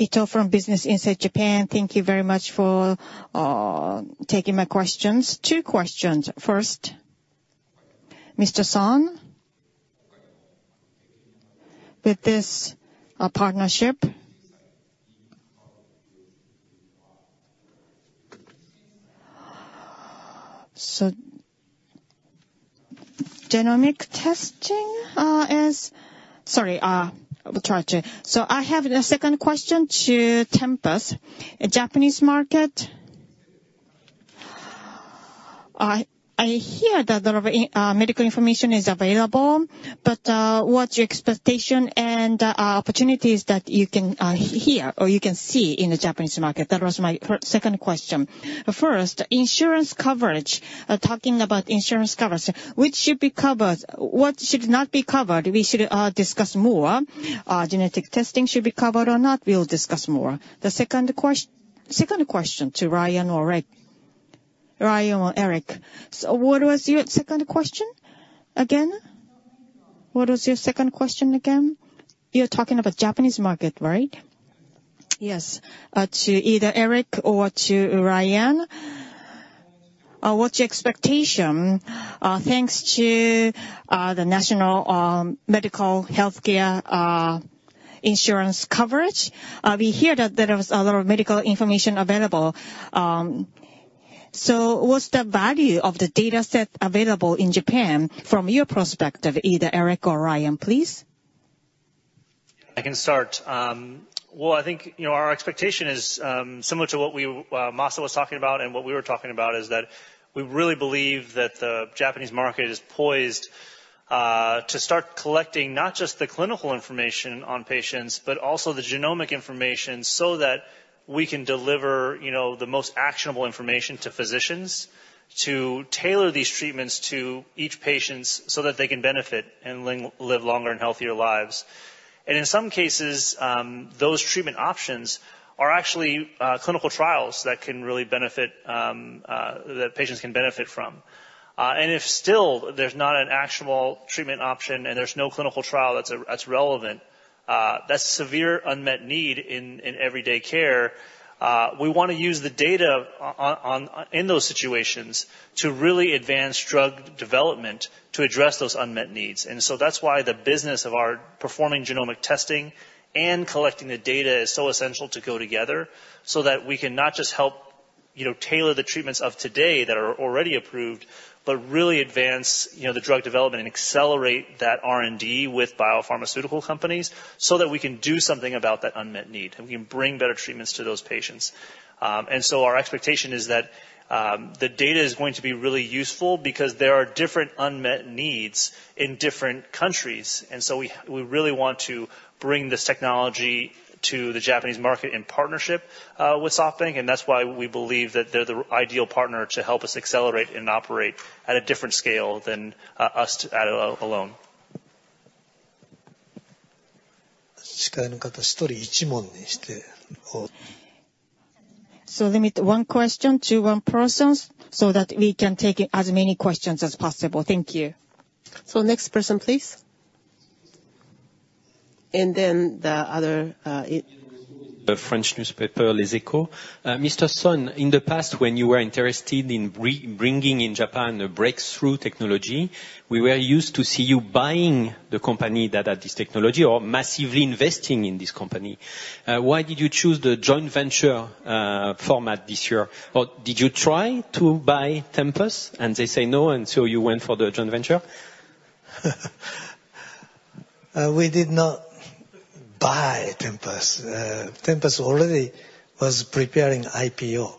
Ito from Business Insider Japan, thank you very much for taking my questions. Two questions. First, Mr. Son, with this partnership, so genomic testing is... Sorry, I will try to—so I have a second question to Tempus. Japanese market, I hear that a lot of medical information is available, but what's your expectation and opportunities that you can hear, or you can see in the Japanese market? That was my second question. First, insurance coverage, talking about insurance coverage, which should be covered, what should not be covered, we should discuss more. Genetic testing should be covered or not, we'll discuss more. The second question to Ryan or Rick, Ryan or Eric. What was your second question again? What was your second question again? You're talking about Japanese market, right? Yes. To either Eric or to Ryan, what's your expectation, thanks to the national medical healthcare insurance coverage? We hear that there is a lot of medical information available. So what's the value of the data set available in Japan from your perspective, either Eric or Ryan, please? I can start. Well, I think, you know, our expectation is similar to what we Masa was talking about, and what we were talking about, is that we really believe that the Japanese market is poised to start collecting not just the clinical information on patients, but also the genomic information, so that we can deliver, you know, the most actionable information to physicians to tailor these treatments to each patient, so that they can benefit and live longer and healthier lives. And in some cases, those treatment options are actually clinical trials that can really benefit that patients can benefit from. And if still there's not an actual treatment option, and there's no clinical trial that's relevant, that's severe unmet need in everyday care. We wanna use the data on in those situations to really advance drug development to address those unmet needs. And so that's why the business of our performing genomic testing and collecting the data is so essential to go together, so that we can not just help, you know, tailor the treatments of today that are already approved, but really advance, you know, the drug development and accelerate that R&D with biopharmaceutical companies, so that we can do something about that unmet need, and we can bring better treatments to those patients. And so our expectation is that the data is going to be really useful, because there are different unmet needs in different countries. We really want to bring this technology to the Japanese market in partnership with SoftBank, and that's why we believe that they're the ideal partner to help us accelerate and operate at a different scale than us alone. Limit one question to one person, so that we can take as many questions as possible. Thank you. Next person, please. And then the other. The French newspaper, Les Echos. Mr. Son, in the past, when you were interested in bringing in Japan the breakthrough technology, we were used to see you buying the company that had this technology or massively investing in this technology. Why did you choose the joint venture format this year? Or did you try to buy Tempus, and they say no, and so you went for the joint venture? We did not buy Tempus. Tempus already was preparing IPO,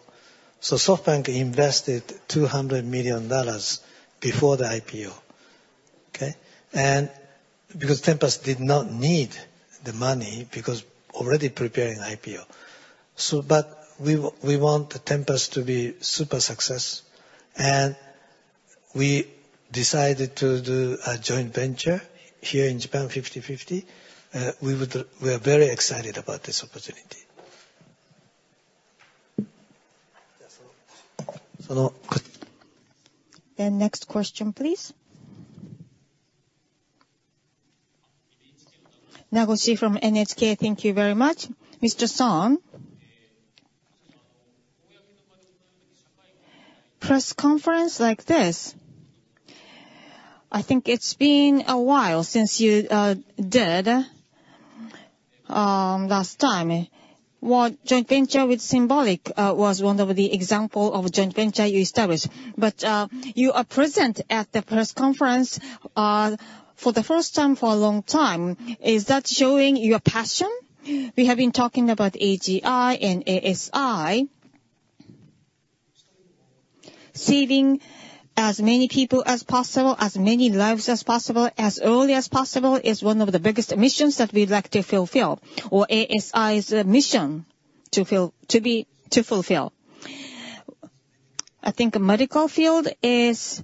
so SoftBank invested $200 million before the IPO, okay? And because Tempus did not need the money, because already preparing IPO. So but we want Tempus to be super success, and we decided to do a joint venture here in Japan, 50/50. We would, we are very excited about this opportunity. Next question, please.... Nagoshi from NHK, thank you very much. Mr. Son, press conference like this, I think it's been a while since you did last time. What joint venture with Symbotic was one of the example of joint venture you established. But, you are present at the press conference, for the first time for a long time. Is that showing your passion? We have been talking about AGI and ASI. Saving as many people as possible, as many lives as possible, as early as possible, is one of the biggest missions that we'd like to fulfill, or ASI's mission to fill - to be, to fulfill. I think the medical field is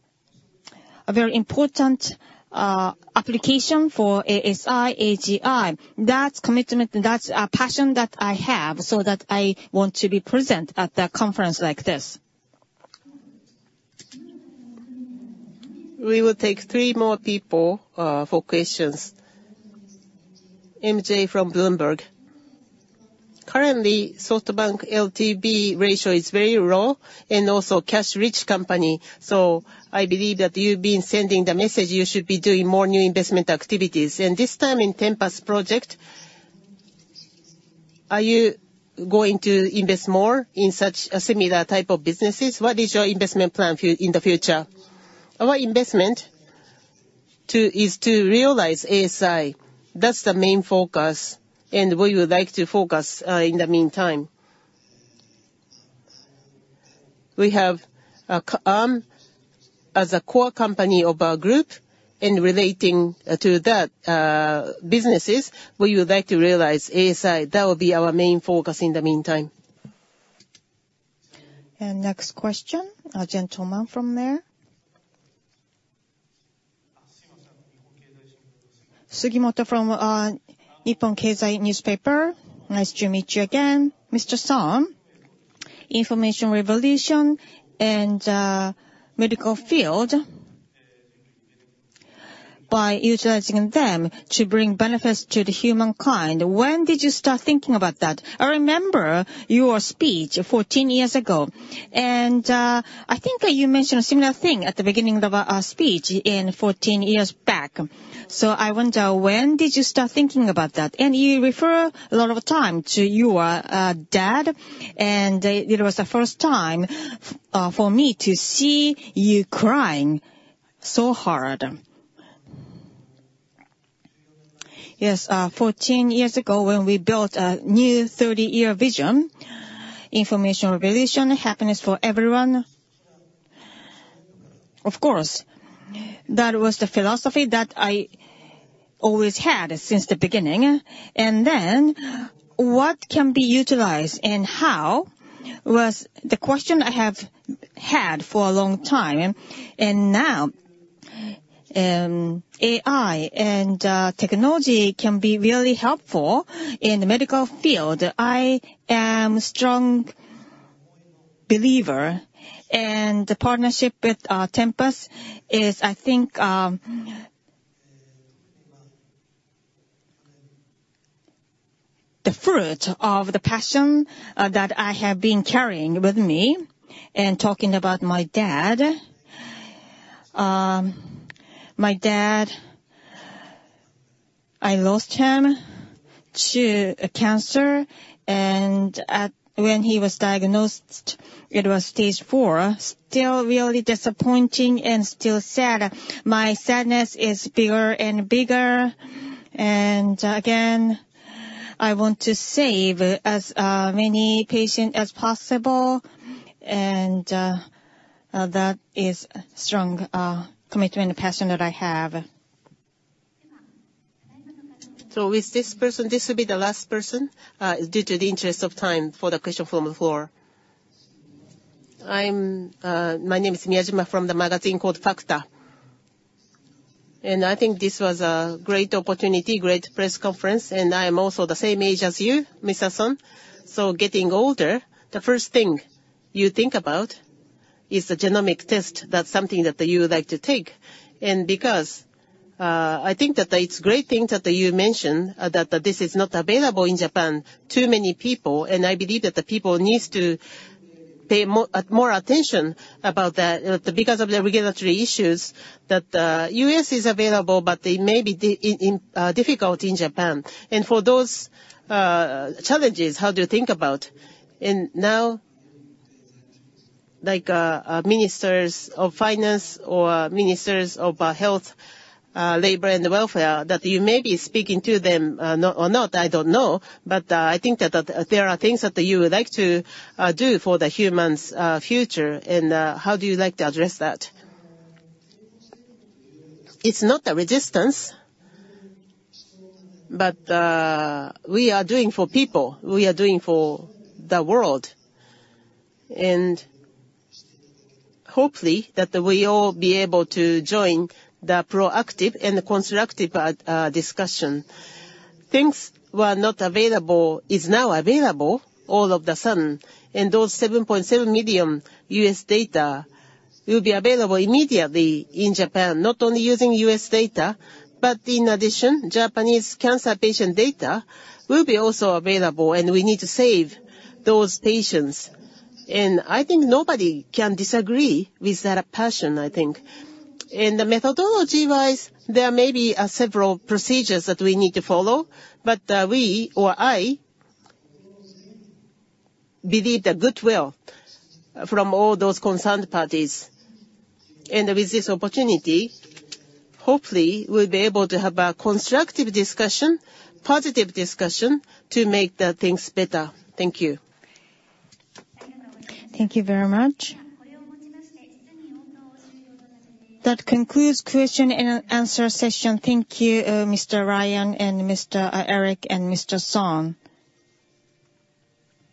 a very important application for ASI, AGI. That's commitment, that's a passion that I have, so that I want to be present at the conference like this. We will take three more people for questions. MJ from Bloomberg. Currently, SoftBank LTV ratio is very low, and also cash-rich company, so I believe that you've been sending the message you should be doing more new investment activities. And this time in Tempus project, are you going to invest more in such a similar type of businesses? What is your investment plan in the future? Our investment is to realize ASI. That's the main focus, and we would like to focus in the meantime. We have as a core company of our group in relating to that businesses we would like to realize ASI. That will be our main focus in the meantime. And next question, a gentleman from there. Sugimoto from Nikkei. Nice to meet you again. Mr. Son, information revolution and medical field, by utilizing them to bring benefits to humankind, when did you start thinking about that? I remember your speech 14 years ago, and I think that you mentioned a similar thing at the beginning of a speech 14 years back. So I wonder, when did you start thinking about that? And you refer a lot of time to your dad, and it was the first time for me to see you crying so hard. Yes. 14 years ago, when we built a new 30-year vision, information, revolution, happiness for everyone. Of course, that was the philosophy that I always had since the beginning. And then, what can be utilized and how, was the question I have had for a long time. And now, AI and technology can be really helpful in the medical field. I am strong believer, and the partnership with Tempus is, I think, the fruit of the passion that I have been carrying with me. And talking about my dad, my dad, I lost him to cancer, and when he was diagnosed, it was stage four. Still really disappointing and still sad. My sadness is bigger and bigger, and again, I want to save as many patient as possible, and that is a strong commitment and passion that I have. With this person, this will be the last person, due to the interest of time for the question from the floor. I'm... My name is Miyajima from the magazine called FACTA. I think this was a great opportunity, great press conference, and I am also the same age as you, Mr. Son. So getting older, the first thing you think about is the genomic test. That's something that you would like to take. And because I think that it's great thing that you mentioned that this is not available in Japan to many people, and I believe that the people needs to pay more attention about that because of the regulatory issues that U.S. is available, but they may be difficult in Japan. And for those challenges, how do you think about? And now, like, ministers of finance or ministers of health, labor and welfare, that you may be speaking to them, no- or not, I don't know, but, I think that, that there are things that you would like to do for the humans' future, and, how do you like to address that? It's not a resistance, but, we are doing for people, we are doing for the world, and hopefully that we all be able to join the proactive and the constructive discussion. Things were not available, is now available all of a sudden, and those 7.7 million U.S. data will be available immediately in Japan, not only using U.S. data, but in addition, Japanese cancer patient data will be also available, and we need to save those patients. I think nobody can disagree with that passion, I think. The methodology-wise, there may be several procedures that we need to follow, but we or I believe the goodwill from all those concerned parties. With this opportunity, hopefully we'll be able to have a constructive discussion, positive discussion, to make the things better. Thank you. Thank you very much. That concludes question and answer session. Thank you, Mr. Ryan and Mr. Eric, and Mr. Son.